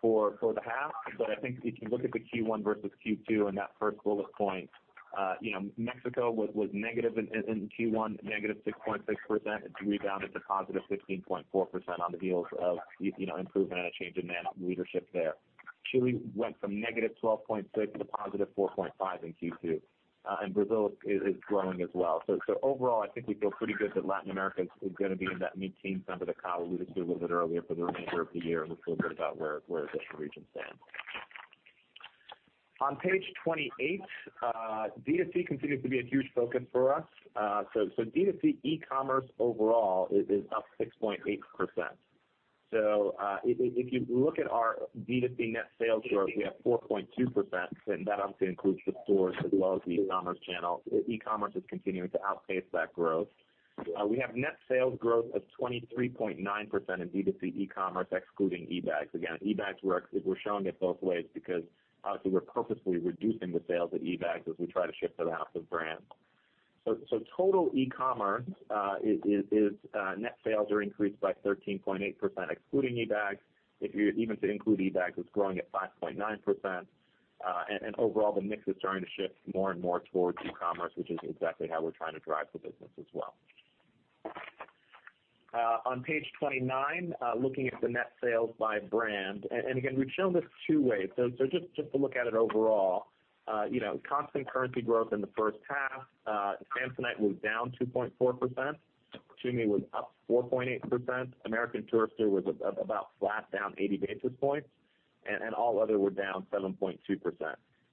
for the half. I think if you look at the Q1 versus Q2 in that first bullet point, Mexico was negative in Q1, -6.6%. It's rebounded to +15.4% on the heels of improvement and a change in leadership there. Chile went from -12.6 to +4.5 in Q2. Brazil is growing as well. Overall, I think we feel pretty good that Latin America is going to be in that mid-teen number that Kyle alluded to a little bit earlier for the remainder of the year. We feel good about where the region stands. On page 28, D2C continues to be a huge focus for us. D2C e-commerce overall is up 6.8%. If you look at our D2C net sales growth, we have 4.2%, and that obviously includes the stores as well as the e-commerce channel. E-commerce is continuing to outpace that growth. We have net sales growth of 23.9% in D2C e-commerce, excluding eBags. eBags, we're showing it both ways because obviously we're purposely reducing the sales at eBags as we try to shift them out to brand. Total e-commerce net sales are increased by 13.8%, excluding eBags. Even if you include eBags, it's growing at 5.9%. Overall, the mix is starting to shift more and more towards e-commerce, which is exactly how we're trying to drive the business as well. On page 29, looking at the net sales by brand. Again, we've shown this two ways. Just to look at it overall. Constant currency growth in the first half. Samsonite was down 2.4%. Tumi was up 4.8%. American Tourister was about flat, down 80 basis points. All other were down 7.2%.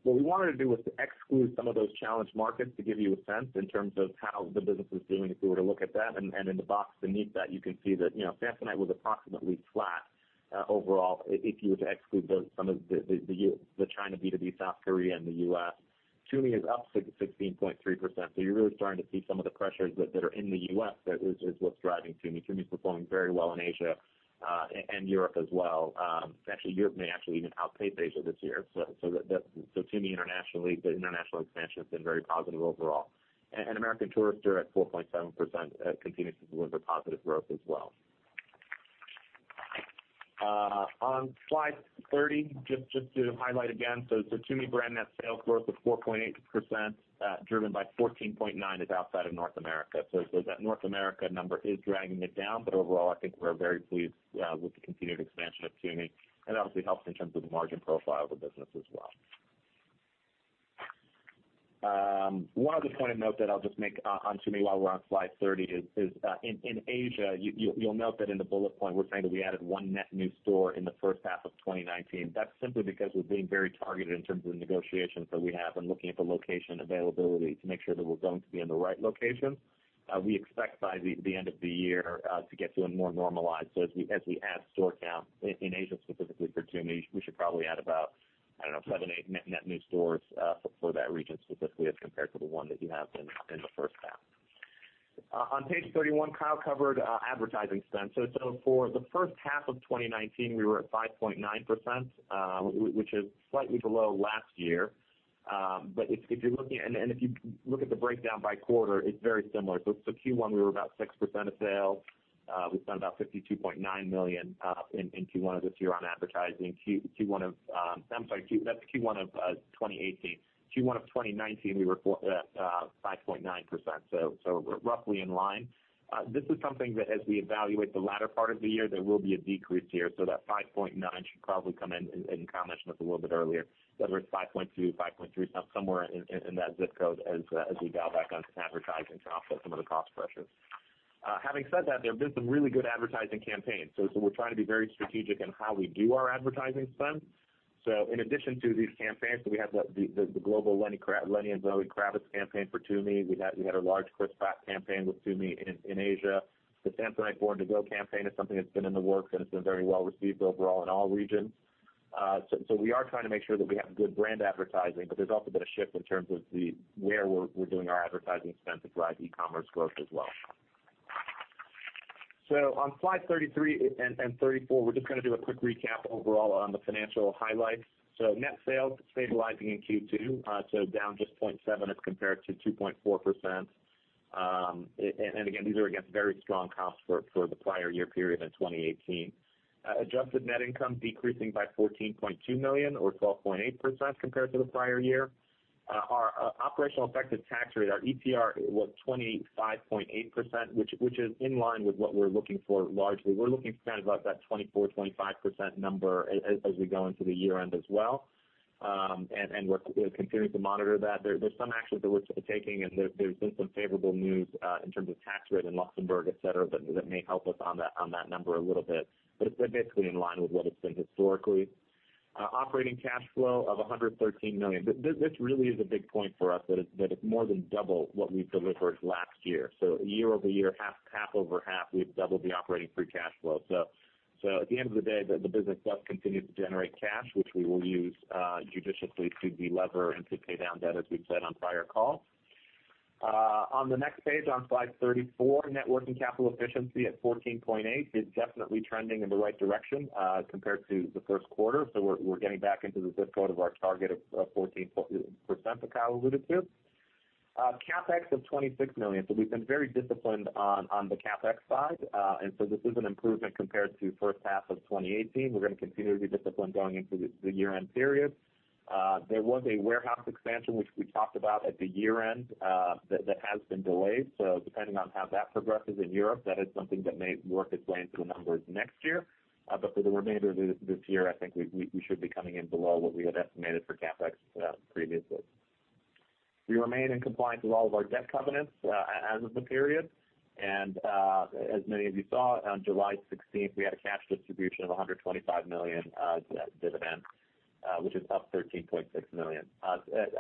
What we wanted to do was to exclude some of those challenged markets to give you a sense in terms of how the business is doing if we were to look at that. In the box beneath that, you can see that Samsonite was approximately flat overall, if you were to exclude some of the China B2B, South Korea, and the U.S. Tumi is up 16.3%, so you're really starting to see some of the pressures that are in the U.S. is what's driving Tumi. Tumi is performing very well in Asia and Europe as well. Actually, Europe may actually even outpace Asia this year. Tumi internationally, the international expansion has been very positive overall. American Tourister at 4.7% continues to deliver positive growth as well. On slide 30, just to highlight again, Tumi brand net sales growth of 4.8%, driven by 14.9%, is outside of North America. That North America number is dragging it down. Overall, I think we're very pleased with the continued expansion of Tumi. It obviously helps in terms of the margin profile of the business as well. One other point of note that I'll just make on Tumi, while we're on slide 30, is in Asia, you'll note that in the bullet point, we're saying that we added one net new store in the first half of 2019. That's simply because we're being very targeted in terms of the negotiations that we have and looking at the location availability to make sure that we're going to be in the right location. We expect by the end of the year to get to a more normalized. As we add store count in Asia specifically for Tumi, we should probably add about, I don't know, seven, eight net new stores for that region specifically, as compared to the one that you have in the first half. On page 31, Kyle covered advertising spend. For the first half of 2019, we were at 5.9%, which is slightly below last year. If you look at the breakdown by quarter, it's very similar. Q1, we were about 6% of sales. We spent about $52.9 million in Q1 of this year on advertising. I'm sorry, that's Q1 of 2018. Q1 of 2019, we were 5.9%, so roughly in line. This is something that, as we evaluate the latter part of the year, there will be a decrease here. That 5.9 should probably come in, and Kyle mentioned this a little bit earlier, whether it's 5.2, 5.3, somewhere in that zip code, as we dial back on some advertising to offset some of the cost pressures. Having said that, there have been some really good advertising campaigns. We're trying to be very strategic in how we do our advertising spend. In addition to these campaigns, we have the global Lenny and Zoë Kravitz campaign for Tumi. We had a large Chris Pratt campaign with Tumi in Asia. The Samsonite Born to Go campaign is something that's been in the works, and it's been very well received overall in all regions. We are trying to make sure that we have good brand advertising, but there's also been a shift in terms of where we're doing our advertising spend to drive e-commerce growth as well. On slide 33 and 34, we're just going to do a quick recap overall on the financial highlights. Net sales stabilizing in Q2, down just 0.7 as compared to 2.4%. Again, these are against very strong comps for the prior year period in 2018. Adjusted net income decreasing by $14.2 million or 12.8% compared to the prior year. Our operational effective tax rate, our ETR was 25.8%, which is in line with what we're looking for largely. We're looking for kind of about that 24%, 25% number as we go into the year end as well. We're continuing to monitor that. There's some actions that we're taking, and there's been some favorable news in terms of tax rate in Luxembourg, et cetera, that may help us on that number a little bit. It's basically in line with what it's been historically. Operating cash flow of $113 million. This really is a big point for us, that it's more than double what we delivered last year. Year-over-year, half-over-half, we've doubled the operating free cash flow. At the end of the day, the business does continue to generate cash, which we will use judiciously to delever and to pay down debt, as we've said on prior calls. On the next page, on slide 34, net working capital efficiency at 14.8 is definitely trending in the right direction compared to the first quarter. We're getting back into the zip code of our target of 14% that Kyle alluded to. CapEx of $26 million. We've been very disciplined on the CapEx side. This is an improvement compared to first half of 2018. We're going to continue to be disciplined going into the year-end period. There was a warehouse expansion, which we talked about at the year end. That has been delayed. Depending on how that progresses in Europe, that is something that may work its way into the numbers next year. For the remainder of this year, I think we should be coming in below what we had estimated for CapEx previously. We remain in compliance with all of our debt covenants as of the period. As many of you saw, on July 16th, we had a cash distribution of $125 million dividend, which is up $13.6 million. I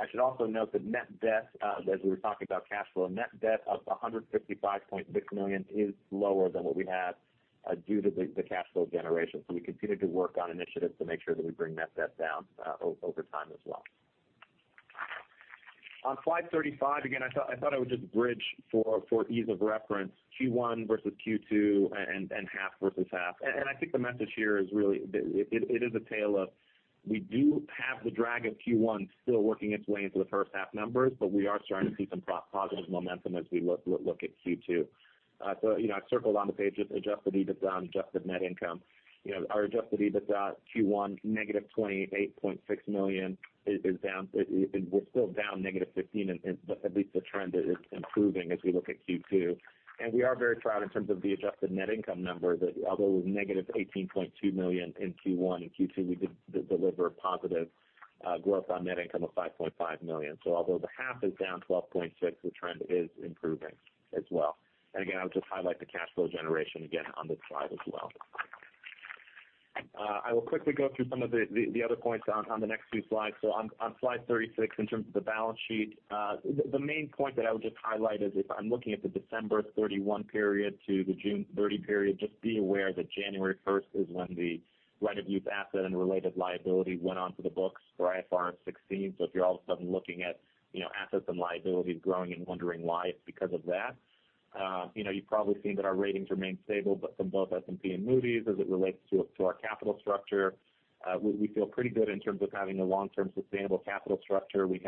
should also note that net debt, as we were talking about cash flow, net debt up $155.6 million, is lower than what we had due to the cash flow generation. We continue to work on initiatives to make sure that we bring net debt down over time as well. On slide 35, again, I thought I would just bridge for ease of reference, Q1 versus Q2 and half versus half. I think the message here is really, it is a tale of we do have the drag of Q1 still working its way into the first half numbers, but we are starting to see some positive momentum as we look at Q2. I've circled on the page, adjusted EBITDA and adjusted net income. Our adjusted EBITDA Q1, negative $28.6 million, we're still down negative 15, but at least the trend is improving as we look at Q2. We are very proud in terms of the adjusted net income number, that although it was negative $18.2 million in Q1, in Q2, we did deliver a positive growth on net income of $5.5 million. Although the half is down 12.6, the trend is improving as well. Again, I'll just highlight the cash flow generation again on this slide as well. I will quickly go through some of the other points on the next few slides. On slide 36, in terms of the balance sheet, the main point that I would just highlight is if I'm looking at the December 31 period to the June 30 period, just be aware that January 1st is when the right-of-use asset and related liability went onto the books for IFRS 16. If you're all of a sudden looking at assets and liabilities growing and wondering why, it's because of that. You've probably seen that our ratings remain stable from both S&P and Moody's as it relates to our capital structure. We feel pretty good in terms of having a long-term sustainable capital structure. We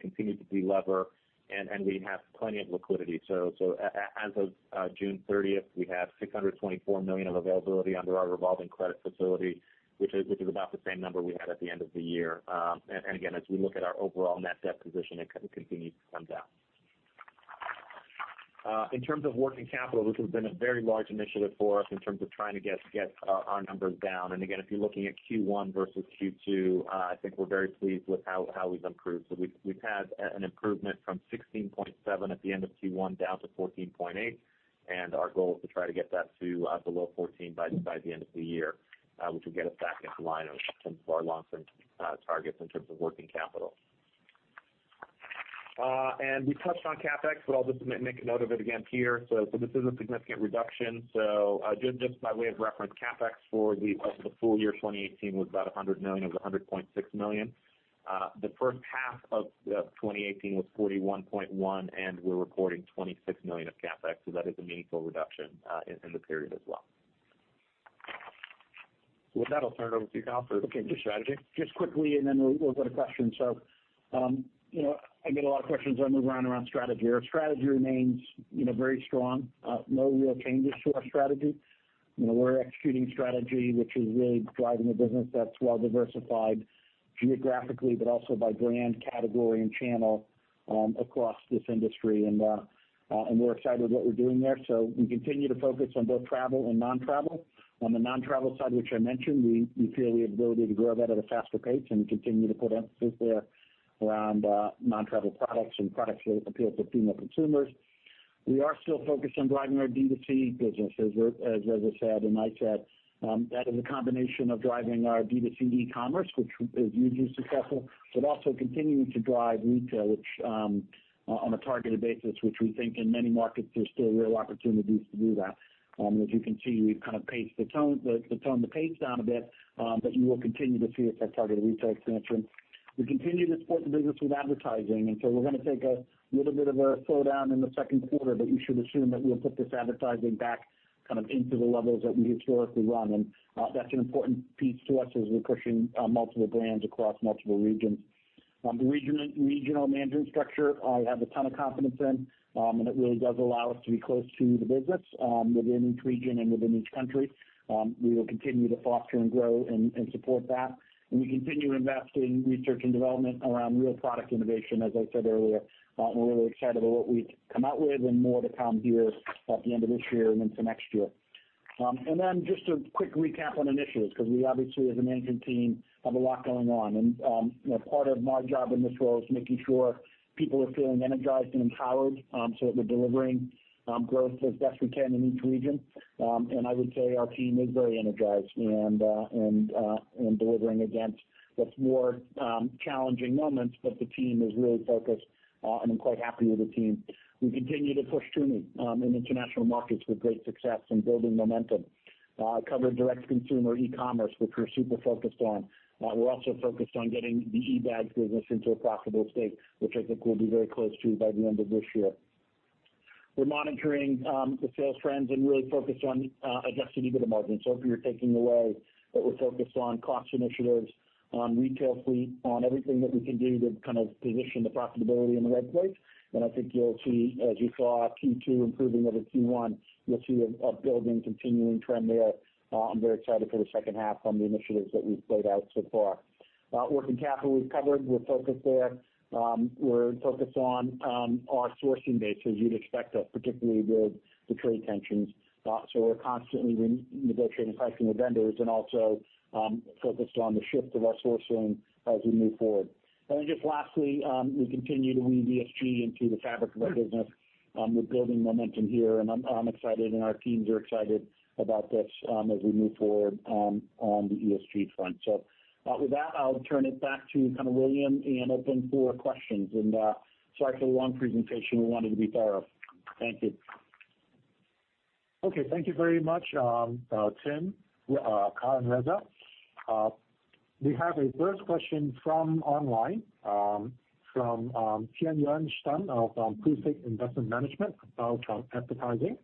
continue to delever, and we have plenty of liquidity. As of June 30th, we have $624 million of availability under our revolving credit facility, which is about the same number we had at the end of the year. Again, as we look at our overall net debt position, it continues to come down. In terms of working capital, this has been a very large initiative for us in terms of trying to get our numbers down. Again, if you're looking at Q1 versus Q2, I think we're very pleased with how we've improved. We've had an improvement from 16.7 at the end of Q1 down to 14.8, and our goal is to try to get that to below 14 by the end of the year, which will get us back into line in terms of our long-term targets in terms of working capital. We touched on CapEx, but I'll just make a note of it again here. This is a significant reduction. Just by way of reference, CapEx for the full year 2018 was about $100 million. It was $100.6 million. The first half of 2018 was $41.1 million, and we're recording $26 million of CapEx, that is a meaningful reduction in the period as well. With that, I'll turn it over to you, Kyle, for strategy. Just quickly, and then we'll go to questions. I get a lot of questions when I move around strategy. Our strategy remains very strong. No real changes to our strategy. We're executing strategy, which is really driving the business that's well diversified geographically, but also by brand, category, and channel across this industry. We're excited with what we're doing there. We continue to focus on both travel and non-travel. On the non-travel side, which I mentioned, we feel we have the ability to grow that at a faster pace, and we continue to put emphasis there around non-travel products and products that appeal to female consumers. We are still focused on driving our D2C business, as Reza said, and I said. That is a combination of driving our B2C e-commerce, which is hugely successful, but also continuing to drive retail on a targeted basis, which we think in many markets, there's still real opportunities to do that. As you can see, we've kind of toned the pace down a bit, but you will continue to see us have targeted retail expansion. We continue to support the business with advertising, and so we're going to take a little bit of a slowdown in the second quarter, but you should assume that we'll put this advertising back into the levels that we historically run. That's an important piece to us as we're pushing multiple brands across multiple regions. The regional management structure, I have a ton of confidence in, and it really does allow us to be close to the business within each region and within each country. We will continue to foster and grow and support that, we continue to invest in research and development around real product innovation, as I said earlier. We're really excited about what we've come out with and more to come here at the end of this year and into next year. Just a quick recap on initiatives, because we obviously, as a management team, have a lot going on. Part of my job in this role is making sure people are feeling energized and empowered, so that we're delivering growth as best we can in each region. I would say our team is very energized and delivering against what's more challenging moments. The team is really focused, and I'm quite happy with the team. We continue to push Tumi in international markets with great success and building momentum. I covered direct consumer e-commerce, which we're super focused on. We're also focused on getting the eBags business into a profitable state, which I think we'll be very close to by the end of this year. We're monitoring the sales trends and really focused on adjusting EBITDA margins. If you're taking away that we're focused on cost initiatives, on retail fleet, on everything that we can do to position the profitability in the right place. I think you'll see, as you saw Q2 improving over Q1, you'll see a building, continuing trend there. I'm very excited for the second half on the initiatives that we've laid out so far. Working capital we've covered. We're focused there. We're focused on our sourcing base, as you'd expect us, particularly with the trade tensions. We're constantly renegotiating pricing with vendors and also focused on the shift of our sourcing as we move forward. Just lastly, we continue to weave ESG into the fabric of our business. We're building momentum here, and I'm excited, and our teams are excited about this as we move forward on the ESG front. With that, I'll turn it back to William and open for questions. Sorry for the long presentation. We wanted to be thorough. Thank you. Okay. Thank you very much, Tim, Kyle, and Reza. We have a first question from online from Tianyuan Shen from Prescient Investment Management about advertising.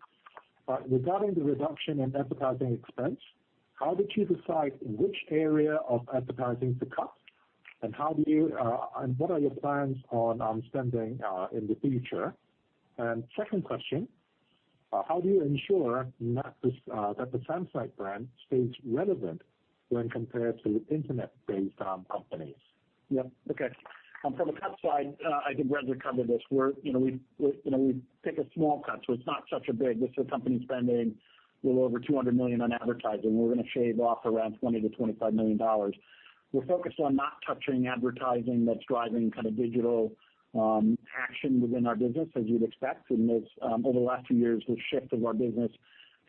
Regarding the reduction in advertising expense, how did you decide which area of advertising to cut, and what are your plans on spending in the future? Second question, how do you ensure that the Samsonite brand stays relevant when compared to internet-based companies? Yeah. Okay. From the cut side, I think Reza covered this. We took a small cut, so it's not such a big. This is a company spending a little over $200 million on advertising. We're going to shave off around $20 million-$25 million. We're focused on not touching advertising that's driving digital action within our business, as you'd expect. Over the last few years, the shift of our business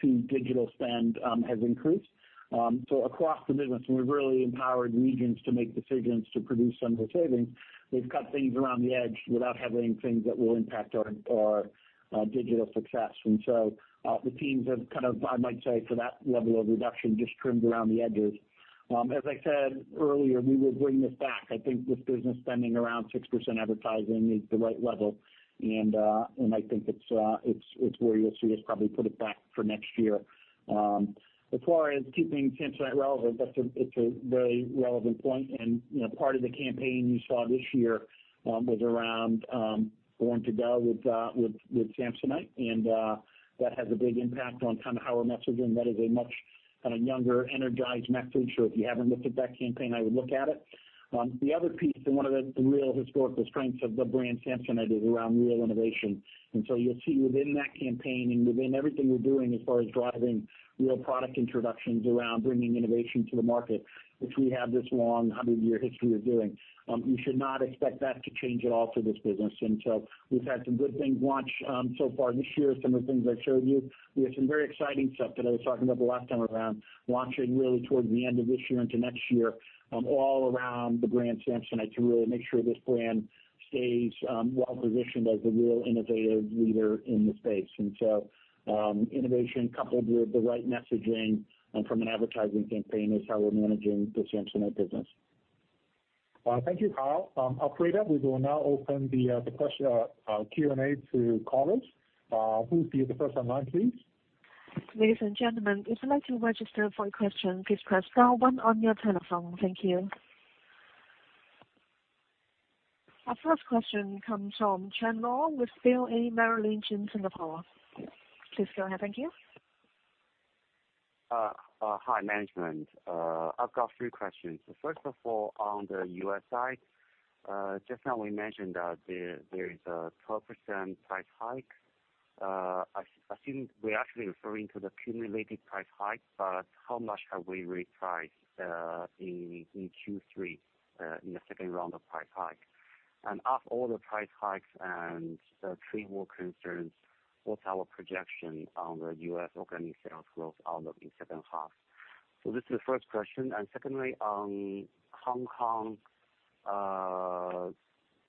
to digital spend has increased. Across the business, we've really empowered regions to make decisions to produce some of the savings. We've cut things around the edge without having things that will impact our digital success. The teams have, I might say, for that level of reduction, just trimmed around the edges. As I said earlier, we will bring this back. I think this business spending around 6% advertising is the right level, and I think it's where you'll see us probably put it back for next year. As far as keeping Samsonite relevant, it's a very relevant point, and part of the campaign you saw this year was around Born to Go with Samsonite, and that has a big impact on how we're messaging. That is a much younger, energized message. So if you haven't looked at that campaign, I would look at it. The other piece and one of the real historical strengths of the brand Samsonite is around real innovation. You'll see within that campaign and within everything we're doing as far as driving real product introductions around bringing innovation to the market, which we have this long 100-year history of doing. You should not expect that to change at all for this business. We've had some good things launch so far this year, some of the things I showed you. We have some very exciting stuff that I was talking about the last time around, launching really towards the end of this year into next year, all around the brand Samsonite to really make sure this brand stays well-positioned as a real innovative leader in the space. Innovation coupled with the right messaging from an advertising campaign is how we're managing the Samsonite business. Thank you, Kyle. Operator, we will now open the Q&A to callers. Who is first online, please? Ladies and gentlemen, if you'd like to register for a question, please press star one on your telephone. Thank you. Our first question comes from Chen Lo with Phil, Merrill Lynch in Singapore. Please go ahead. Thank you. Hi, management. I've got three questions. First of all, on the U.S. side, just now we mentioned that there is a 12% price hike. I think we are actually referring to the cumulative price hike, how much have we repriced in Q3 in the second round of price hike? After all the price hikes and trade war concerns, what's our projection on the U.S. organic sales growth out of the second half? This is the first question. Secondly, on Hong Kong,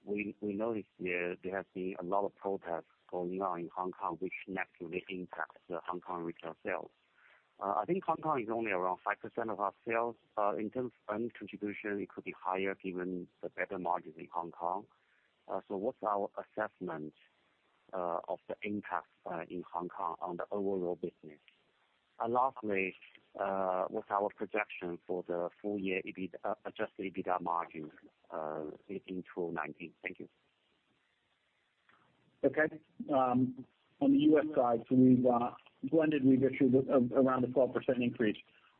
we noticed there has been a lot of protests going on in Hong Kong, which negatively impacts Hong Kong retail sales. I think Hong Kong is only around 5% of our sales. In terms of earning contribution, it could be higher given the better margins in Hong Kong. What's our assessment of the impact in Hong Kong on the overall business? Lastly, what's our projection for the full year adjusted EBITDA margin in 2019? Thank you. Okay. On the U.S. side, blended, we've issued around a 12% increase.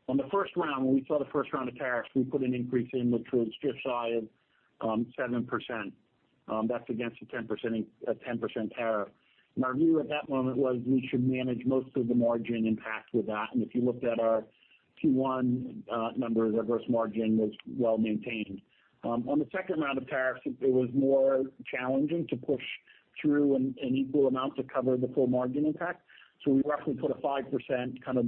On the first round, when we saw the first round of tariffs, we put an increase in, which was just shy of 7%. That's against a 10% tariff. Our view at that moment was we should manage most of the margin impact with that. If you looked at our Q1 numbers, our gross margin was well-maintained. On the second round of tariffs, it was more challenging to push through an equal amount to cover the full margin impact. We roughly put a 5% kind of,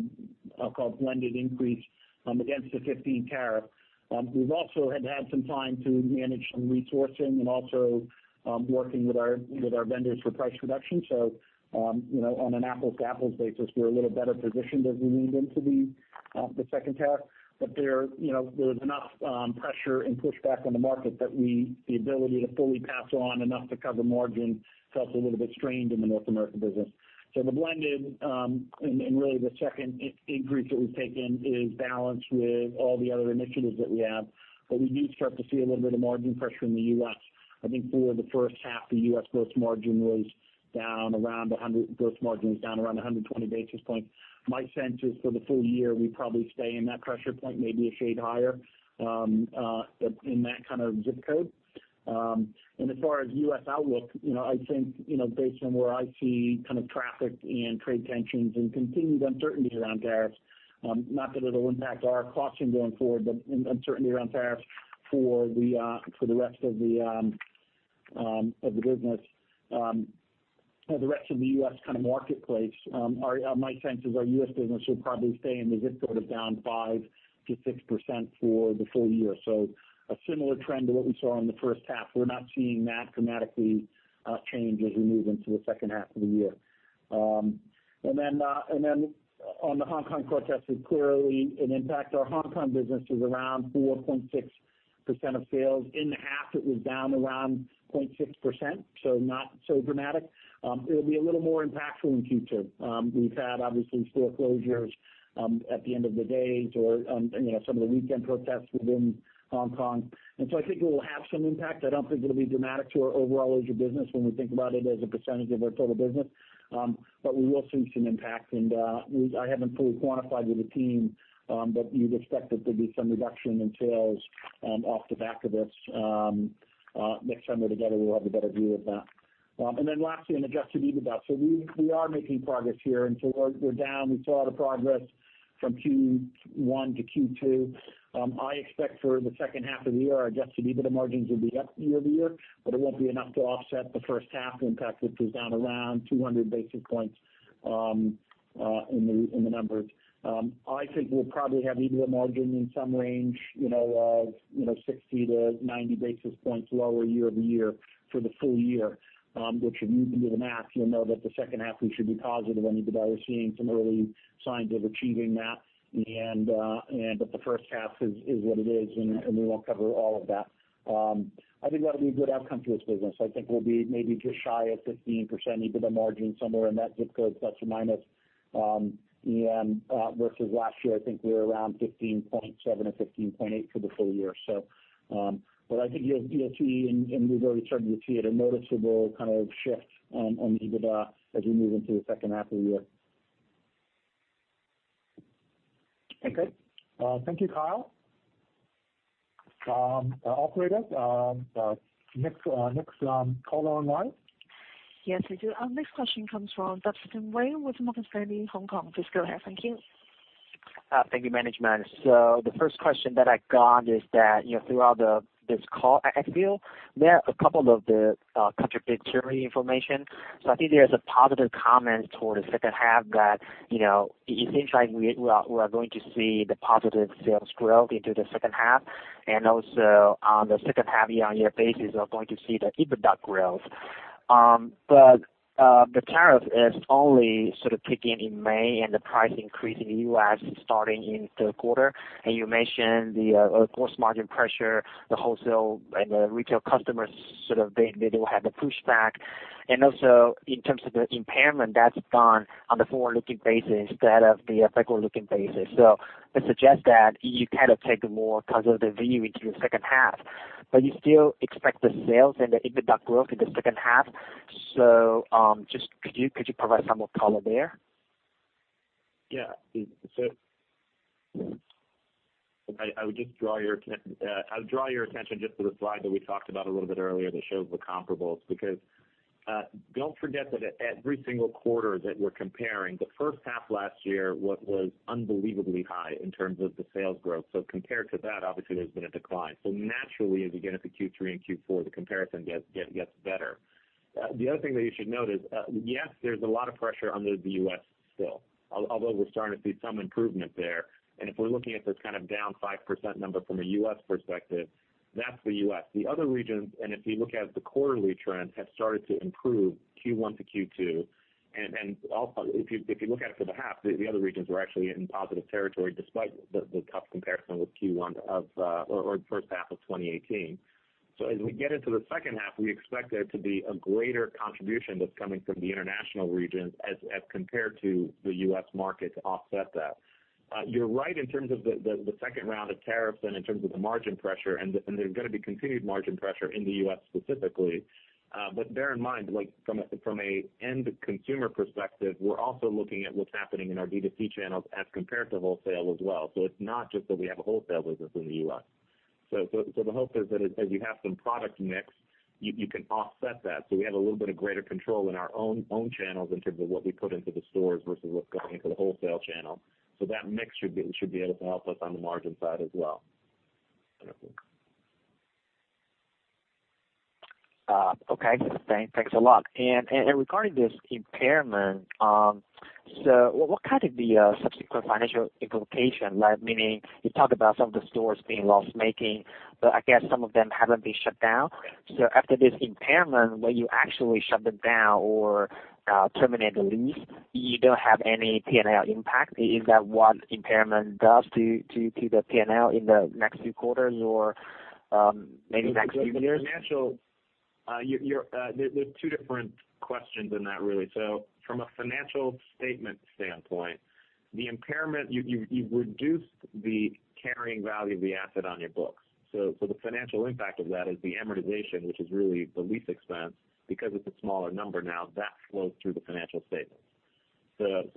I'll call it blended increase against the 15% tariff. We also had had some time to manage some resourcing and also working with our vendors for price reduction. On an apples-to-apples basis, we're a little better positioned as we moved into the second tariff. There was enough pressure and pushback on the market that the ability to fully pass on enough to cover margin felt a little bit strained in the North American business. The blended, and really the second increase that we've taken is balanced with all the other initiatives that we have. We do start to see a little of margin pressure in the U.S. I think for the first half, the U.S. gross margin was down around 120 basis points. My sense is for the full year, we probably stay in that pressure point, maybe a shade higher, but in that kind of ZIP code. As far as U.S. outlook, I think, based on where I see traffic and trade tensions and continued uncertainty around tariffs, not that it'll impact our costing going forward, but uncertainty around tariffs for the rest of the business, or the rest of the U.S. marketplace. My sense is our U.S. business will probably stay in the ZIP code of down 5%-6% for the full year. A similar trend to what we saw in the first half. We're not seeing that dramatically change as we move into the second half of the year. On the Hong Kong protests, it clearly an impact. Our Hong Kong business is around 4.6% of sales. In the half, it was down around 0.6%, so not so dramatic. It'll be a little more impactful in Q2. We've had, obviously, store closures at the end of the day or some of the weekend protests within Hong Kong. I think it will have some impact. I don't think it'll be dramatic to our overall Asia business when we think about it as a percentage of our total business. We will see some impact. I haven't fully quantified with the team, but you'd expect that there'd be some reduction in sales off the back of this. Next time we're together, we'll have a better view of that. Lastly, on adjusted EBITDA. We are making progress here. We're down. We saw the progress from Q1 to Q2. I expect for the second half of the year, our adjusted EBITDA margins will be up year-over-year, but it won't be enough to offset the first half impact, which was down around 200 basis points in the numbers. I think we'll probably have EBITDA margin in some range of 60-90 basis points lower year-over-year for the full year, which if you do the math, you'll know that the second half we should be positive on EBITDA. We're seeing some early signs of achieving that. The first half is what it is, and we won't cover all of that. I think that'll be a good outcome to this business. I think we'll be maybe just shy of 15% EBITDA margin, somewhere in that ZIP code, ±, versus last year, I think we were around 15.7 or 15.8 for the full year. I think you'll see, and we've already started to see it, a noticeable shift on EBITDA as we move into the second half of the year. Okay. Thank you, Kyle. Operator, next caller online. Yes, I do. Our next question comes from Dustin Wei with Morgan Stanley Hong Kong. Please go ahead. Thank you. Thank you, management. The first question that I got is that throughout this call, I feel there are a couple of the contradictory information. I think there's a positive comment toward the second half that it seems like we are going to see the positive sales growth into the second half, and also on the second half year-over-year basis, we are going to see the EBITDA growth. The tariff is only sort of kicking in May and the price increase in the U.S. is starting in the third quarter. You mentioned the gross margin pressure, the wholesale and the retail customers, they will have a pushback. Also in terms of the impairment, that's gone on the forward-looking basis instead of the backward-looking basis. It suggests that you kind of take a more conservative view into the second half, but you still expect the sales and the EBITDA growth in the second half. Could you provide some more color there? Yeah. I would draw your attention just to the slide that we talked about a little bit earlier that shows the comparables, because don't forget that every single quarter that we're comparing, the first half last year was unbelievably high in terms of the sales growth. Compared to that, obviously, there's been a decline. Naturally, as we get into Q3 and Q4, the comparison gets better. The other thing that you should note is, yes, there's a lot of pressure on the U.S. still. Although we're starting to see some improvement there, and if we're looking at this kind of down 5% number from a U.S. perspective, that's the U.S. The other regions, and if you look at the quarterly trends, have started to improve Q1 to Q2. Also if you look at it for the half, the other regions were actually in positive territory despite the tough comparison with Q1 of, or the first half of 2018. As we get into the second half, we expect there to be a greater contribution that's coming from the international regions as compared to the U.S. market to offset that. You're right in terms of the second round of tariffs and in terms of the margin pressure, and there's going to be continued margin pressure in the U.S. specifically. Bear in mind, from an end consumer perspective, we're also looking at what's happening in our D2C channels as compared to wholesale as well. It's not just that we have a wholesale business in the U.S. The hope is that as you have some product mix, you can offset that. We have a little bit of greater control in our own channels in terms of what we put into the stores versus what's going into the wholesale channel. That mix should be able to help us on the margin side as well. Okay. Thanks a lot. Regarding this impairment, what kind of the subsequent financial implication, like, meaning you talk about some of the stores being loss-making, but I guess some of them haven't been shut down. After this impairment, when you actually shut them down or terminate the lease, you don't have any P&L impact. Is that what impairment does to the P&L in the next few quarters or maybe next few years? There's two different questions in that, really. From a financial statement standpoint, the impairment, you reduce the carrying value of the asset on your books. The financial impact of that is the amortization, which is really the lease expense, because it's a smaller number now. That flows through the financial statement.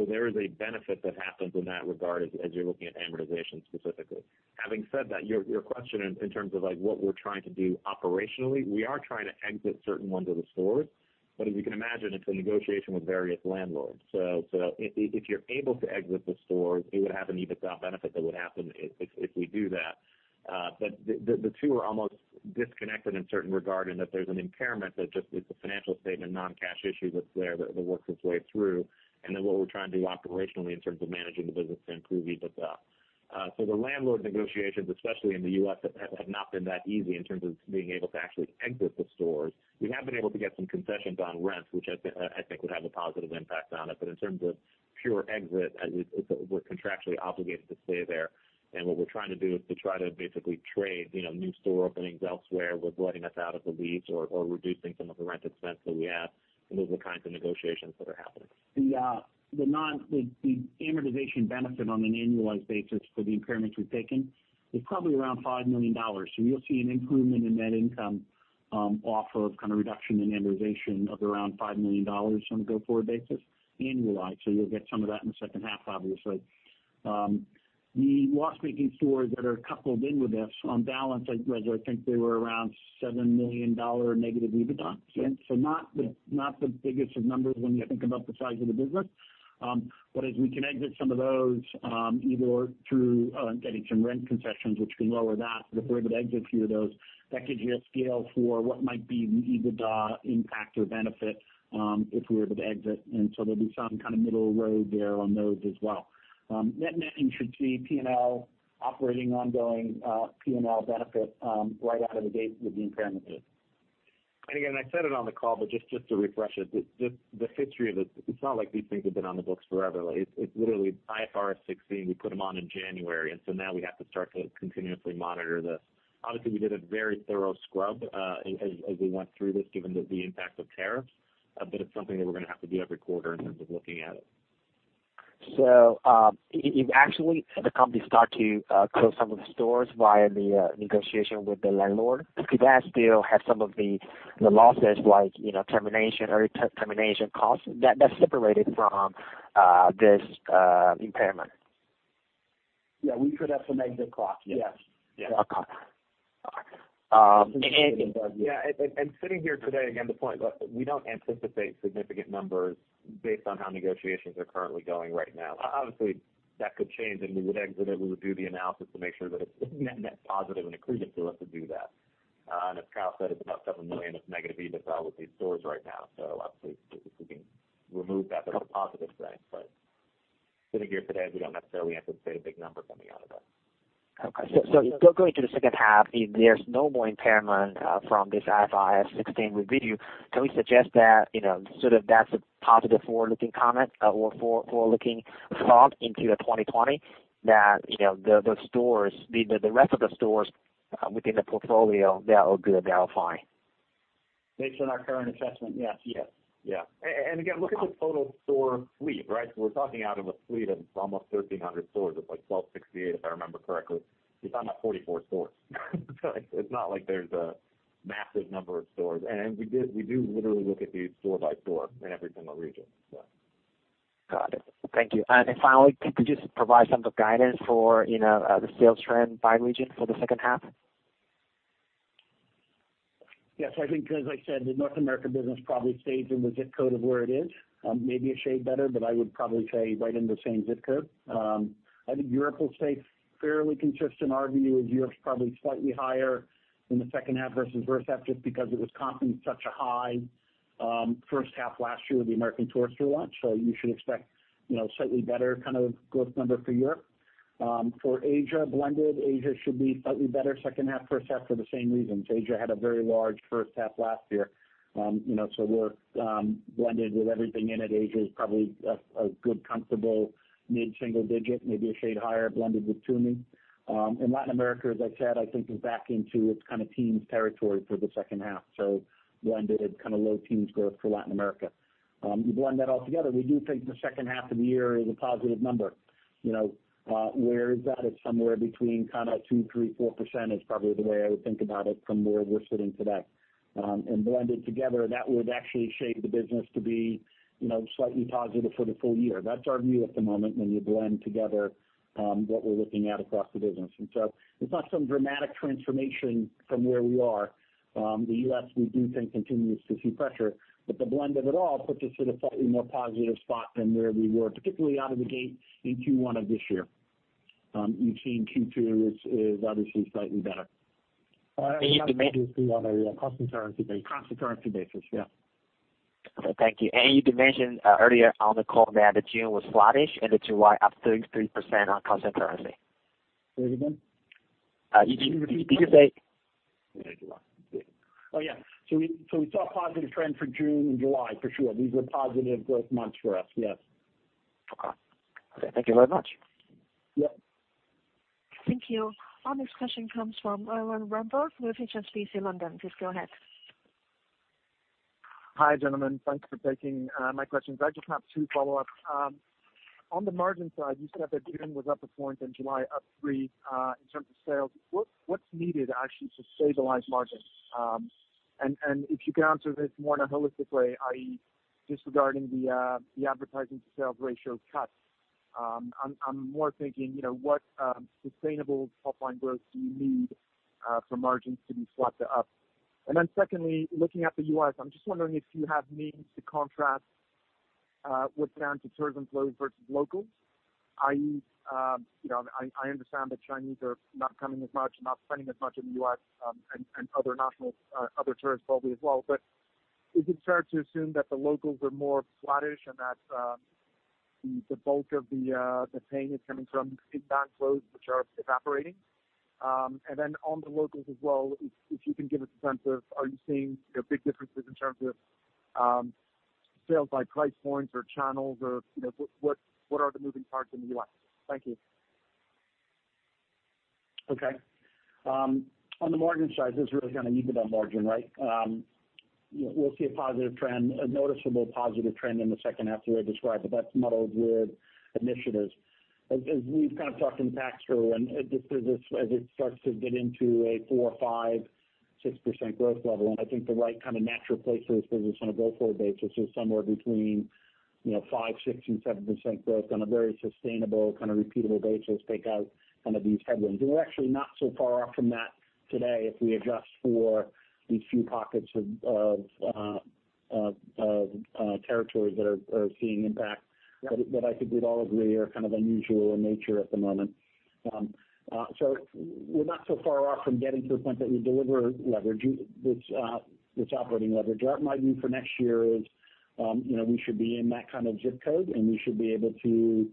There is a benefit that happens in that regard as you're looking at amortization specifically. Having said that, your question in terms of what we're trying to do operationally, we are trying to exit certain ones of the stores. As you can imagine, it's a negotiation with various landlords. If you're able to exit the stores, it would have an EBITDA benefit that would happen if we do that. The two are almost disconnected in a certain regard in that there's an impairment that just is a financial statement, non-cash issue that's there that will work its way through. Then what we're trying to do operationally in terms of managing the business to improve EBITDA. The landlord negotiations, especially in the U.S., have not been that easy in terms of being able to actually exit the stores. We have been able to get some concessions on rents, which I think would have a positive impact on it. In terms of pure exit, we're contractually obligated to stay there. What we're trying to do is to try to basically trade new store openings elsewhere with letting us out of the lease or reducing some of the rent expense that we have. Those are the kinds of negotiations that are happening. The amortization benefit on an annualized basis for the impairments we've taken is probably around $5 million. You'll see an improvement in net income off of kind of reduction in amortization of around $5 million on a go-forward basis, annualized. You'll get some of that in the second half, obviously. The loss-making stores that are coupled in with this on balance, I think they were around $7 million negative EBITDA. Not the biggest of numbers when you think about the size of the business. As we can exit some of those, either through getting some rent concessions, which can lower that, but if we're able to exit a few of those, that could yield scale for what might be an EBITDA impact or benefit, if we're able to exit. There'll be some kind of middle road there on those as well. Net-net, you should see P&L operating ongoing, P&L benefit, right out of the gate with the impairment fees. Again, I said it on the call, but just to refresh it, the history of it's not like these things have been on the books forever. It's literally IFRS 16. We put them on in January, now we have to start to continuously monitor this. Obviously, we did a very thorough scrub as we went through this, given the impact of tariffs. It's something that we're going to have to do every quarter in terms of looking at it. If actually the company start to close some of the stores via the negotiation with the landlord, could that still have some of the losses like termination or early termination costs that's separated from this impairment? Yeah, we could have some exit costs. Yes. Okay. Yeah. Sitting here today, again, the point, we don't anticipate significant numbers based on how negotiations are currently going right now. Obviously, that could change, and we would exit it. We would do the analysis to make sure that it's net positive and accretive to us to do that. As Kyle said, it's about $7 million of negative EBITDA with these stores right now. There's a positive trend, but sitting here today, we don't necessarily anticipate a big number coming out of that. Going to the second half, if there's no more impairment from this IFRS 16 review, can we suggest that sort of that's a positive forward-looking comment or forward-looking thought into 2020, that the rest of the stores within the portfolio, they are good, they are fine? Based on our current assessment, yes. Yeah. Again, look at the total store fleet, right? We're talking out of a fleet of almost 1,300 stores. It's like 1,268, if I remember correctly. We're talking about 44 stores. It's not like there's a massive number of stores. We do literally look at these store by store in every single region, so Got it. Thank you. Finally, could you just provide some of the guidance for the sales trend by region for the second half? Yes, I think as I said, the North American business probably stays in the ZIP code of where it is. Maybe a shade better. I would probably say right in the same ZIP code. I think Europe will stay fairly consistent. Our view is Europe's probably slightly higher in the second half versus first half, just because it was coming from such a high first half last year with the American Tourister launch. You should expect slightly better kind of growth number for Europe. For Asia, blended Asia should be slightly better second half, first half for the same reasons. Asia had a very large first half last year. We're blended with everything in it. Asia is probably a good comfortable mid-single digit, maybe a shade higher blended with Tumi. In Latin America, as I said, I think is back into its kind of teens territory for the second half. Blended kind of low teens growth for Latin America. You blend that all together, we do think the second half of the year is a positive number. Where is that? It's somewhere between 2%, 3%, 4% is probably the way I would think about it from where we're sitting today. Blended together, that would actually shape the business to be slightly positive for the full year. That's our view at the moment when you blend together what we're looking at across the business. It's not some dramatic transformation from where we are. The U.S., we do think continues to see pressure, but the blend of it all puts us at a slightly more positive spot than where we were, particularly out of the gate in Q1 of this year. We've seen Q2 is obviously slightly better. And you- On a constant currency basis, yeah. Okay, thank you. You did mention earlier on the call that the June was flattish and the July up 33% on constant currency. Say it again. Did you say- Oh, yeah. We saw a positive trend for June and July for sure. These were positive growth months for us, yes. Okay. Thank you very much. Yep. Thank you. Our next question comes from Erwan Rambourg with HSBC London. Please go ahead. Hi, gentlemen. Thanks for taking my questions. I just have two follow-ups. On the margin side, you said that June was up a point and July up three in terms of sales. What's needed actually to stabilize margin? If you could answer this more in a holistic way, i.e., disregarding the advertising to sales ratio cut. I'm more thinking, what sustainable top-line growth do you need for margins to be swapped up? Secondly, looking at the U.S., I'm just wondering if you have means to contrast what's down to tourism flows versus locals, i.e., I understand the Chinese are not coming as much, not spending as much in the U.S., and other tourists probably as well. Is it fair to assume that the locals are more flattish and that the bulk of the pain is coming from inbound flows, which are evaporating? On the locals as well, if you can give us a sense of, are you seeing big differences in terms of sales by price points or channels or what are the moving parts in the U.S.? Thank you. Okay. On the margin side, this is really going to need the margin, right? We'll see a positive trend, a noticeable positive trend in the second half the way I described, but that's muddled with initiatives. As we've kind of talked in the past through, and as this business, as it starts to get into a 4%, 5%, 6% growth level, and I think the right kind of natural place for this business on a go-forward basis is somewhere between 5%, 6%, and 7% growth on a very sustainable, kind of repeatable basis, take out some of these headwinds. We're actually not so far off from that today if we adjust for these few pockets of territories that are seeing impact that I think we'd all agree are kind of unusual in nature at the moment. We're not so far off from getting to a point that we deliver leverage, this operating leverage. Our view for next year is we should be in that kind of ZIP code, and we should be able to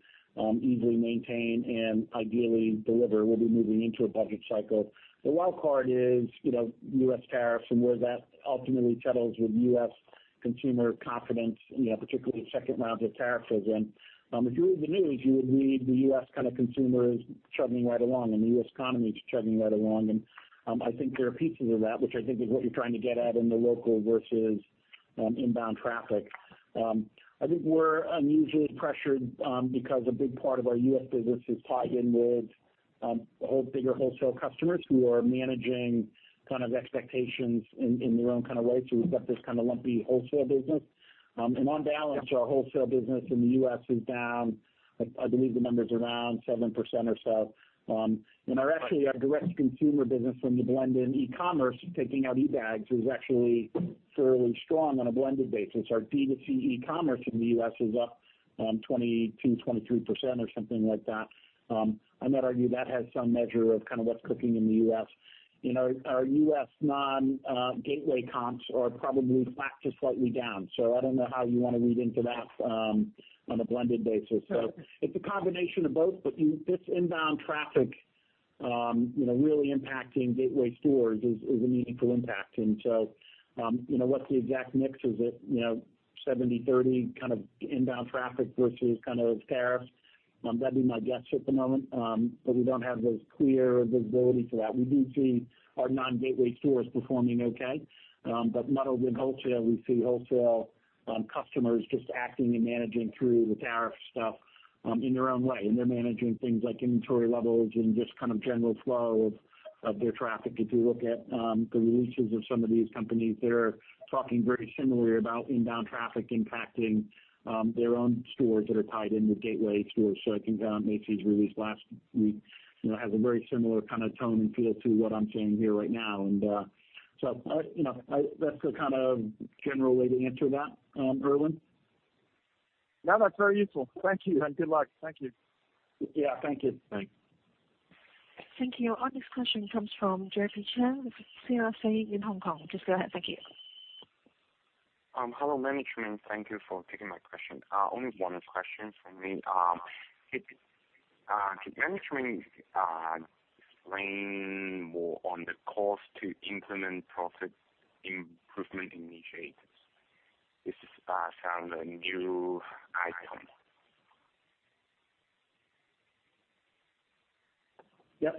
easily maintain and ideally deliver. We'll be moving into a budget cycle. The wild card is U.S. tariffs and where that ultimately settles with U.S. consumer confidence, particularly the second round of tariffs. If you read the news, you would read the U.S. consumer is chugging right along, and the U.S. economy is chugging right along. I think there are pieces of that, which I think is what you're trying to get at in the local versus inbound traffic. I think we're unusually pressured because a big part of our U.S. business is tied in with bigger wholesale customers who are managing expectations in their own kind of way. We've got this kind of lumpy wholesale business. On balance, our wholesale business in the U.S. is down. I believe the number's around 7% or so. Actually, our direct consumer business from the blend in e-commerce, taking out eBags, is actually fairly strong on a blended basis. Our D2C e-commerce in the U.S. is up 22%, 23% or something like that. I might argue that has some measure of what's cooking in the U.S. Our U.S. non-gateway comps are probably flat to slightly down. I don't know how you want to read into that on a blended basis. It's a combination of both, but this inbound traffic really impacting gateway stores is a meaningful impact. What's the exact mix? Is it 70/30 kind of inbound traffic versus tariffs? That'd be my guess at the moment, but we don't have those clear visibility for that. We do see our non-gateway stores performing okay. Muddled with wholesale, we see wholesale customers just acting and managing through the tariff stuff in their own way. They're managing things like inventory levels and just general flow of their traffic. If you look at the releases of some of these companies, they're talking very similarly about inbound traffic impacting their own stores that are tied in with gateway stores. I think Macy's release last week has a very similar kind of tone and feel to what I'm saying here right now. That's the kind of general way to answer that, Erwan. Yeah, that's very useful. Thank you and good luck. Thank you. Yeah. Thank you. Thanks. Thank you. Our next question comes from Jeffrey Chen with CRFA in Hong Kong. Just go ahead. Thank you. Hello, management. Thank you for taking my question. Only one question from me. Could management explain more on the cost to implement profit improvement initiatives? This is found a new icon. Yep.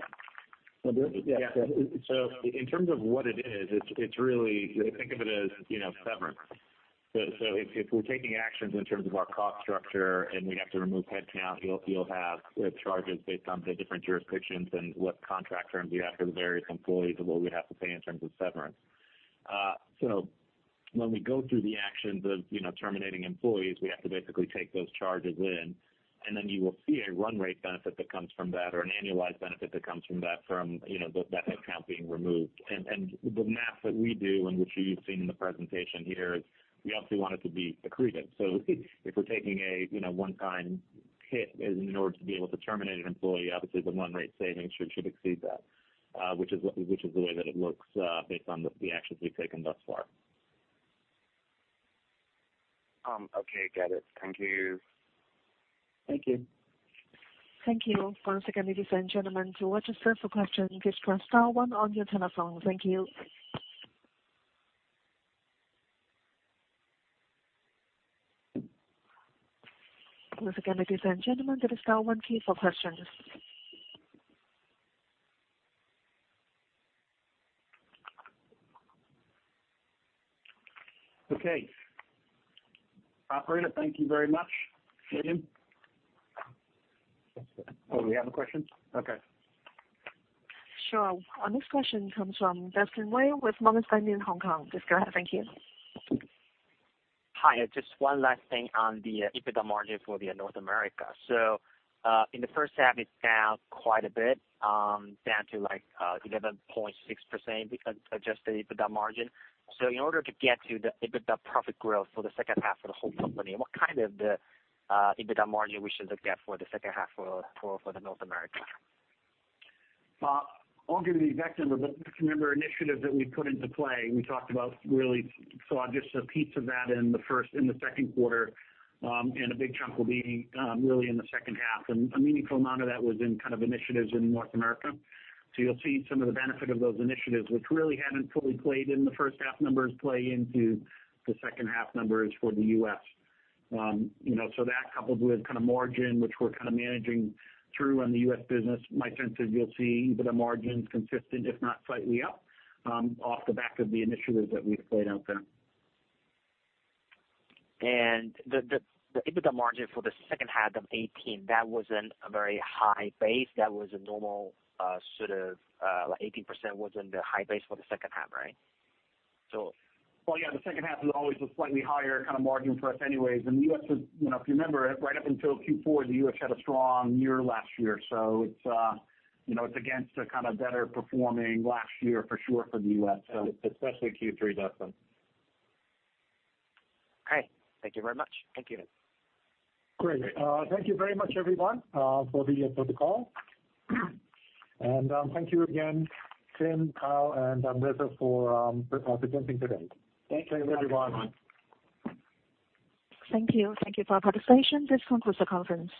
Want to do it? In terms of what it is, think of it as severance. If we're taking actions in terms of our cost structure and we have to remove headcount, you'll have charges based on the different jurisdictions and what contract terms you have for the various employees of what we'd have to pay in terms of severance. When we go through the actions of terminating employees, we have to basically take those charges in and then you will see a run rate benefit that comes from that, or an annualized benefit that comes from that headcount being removed. The math that we do, and which you've seen in the presentation here, is we obviously want it to be accretive. If we're taking a one-time hit in order to be able to terminate an employee, obviously the run rate savings should exceed that. Which is the way that it looks based on the actions we've taken thus far. Okay. Got it. Thank you. Thank you. Thank you. Once again, ladies and gentlemen, to register for questions, please press star one on your telephone. Thank you. Once again, ladies and gentlemen, press star one key for questions. Okay. Operator, thank you very much. Jamie? Oh, we have a question? Okay. Sure. Our next question comes from Dustin Wei with Morgan Stanley in Hong Kong. Just go ahead. Thank you. Hi. Just one last thing on the EBITDA margin for North America. In the first half it's down quite a bit, down to like 11.6% adjusted EBITDA margin. In order to get to the EBITDA profit growth for the second half for the whole company, what kind of the EBITDA margin we should look at for the second half for North America? I won't give you the exact number, but if you remember initiatives that we put into play, we talked about really saw just a piece of that in the second quarter. A big chunk will be really in the second half. A meaningful amount of that was in kind of initiatives in North America. You'll see some of the benefit of those initiatives, which really haven't fully played in the first half numbers play into the second half numbers for the U.S. That coupled with margin, which we're kind of managing through in the U.S. business, my sense is you'll see EBITDA margins consistent, if not slightly up, off the back of the initiatives that we've played out there. The EBITDA margin for the second half of 2018, that was in a very high base. That was a normal sort of, like 18% was in the high base for the second half, right? Well, yeah, the second half is always a slightly higher kind of margin for us anyways. If you remember, right up until Q4, the U.S. had a strong year last year. It's against a kind of better performing last year for sure for the U.S. Especially Q3, Dustin. Okay. Thank you very much. Thank you. Great. Thank you very much everyone, for the call. Thank you again, Tim, Kyle, and Reza for presenting today. Thank you everyone. Thanks everyone. Thank you. Thank you for your participation. This concludes the conference.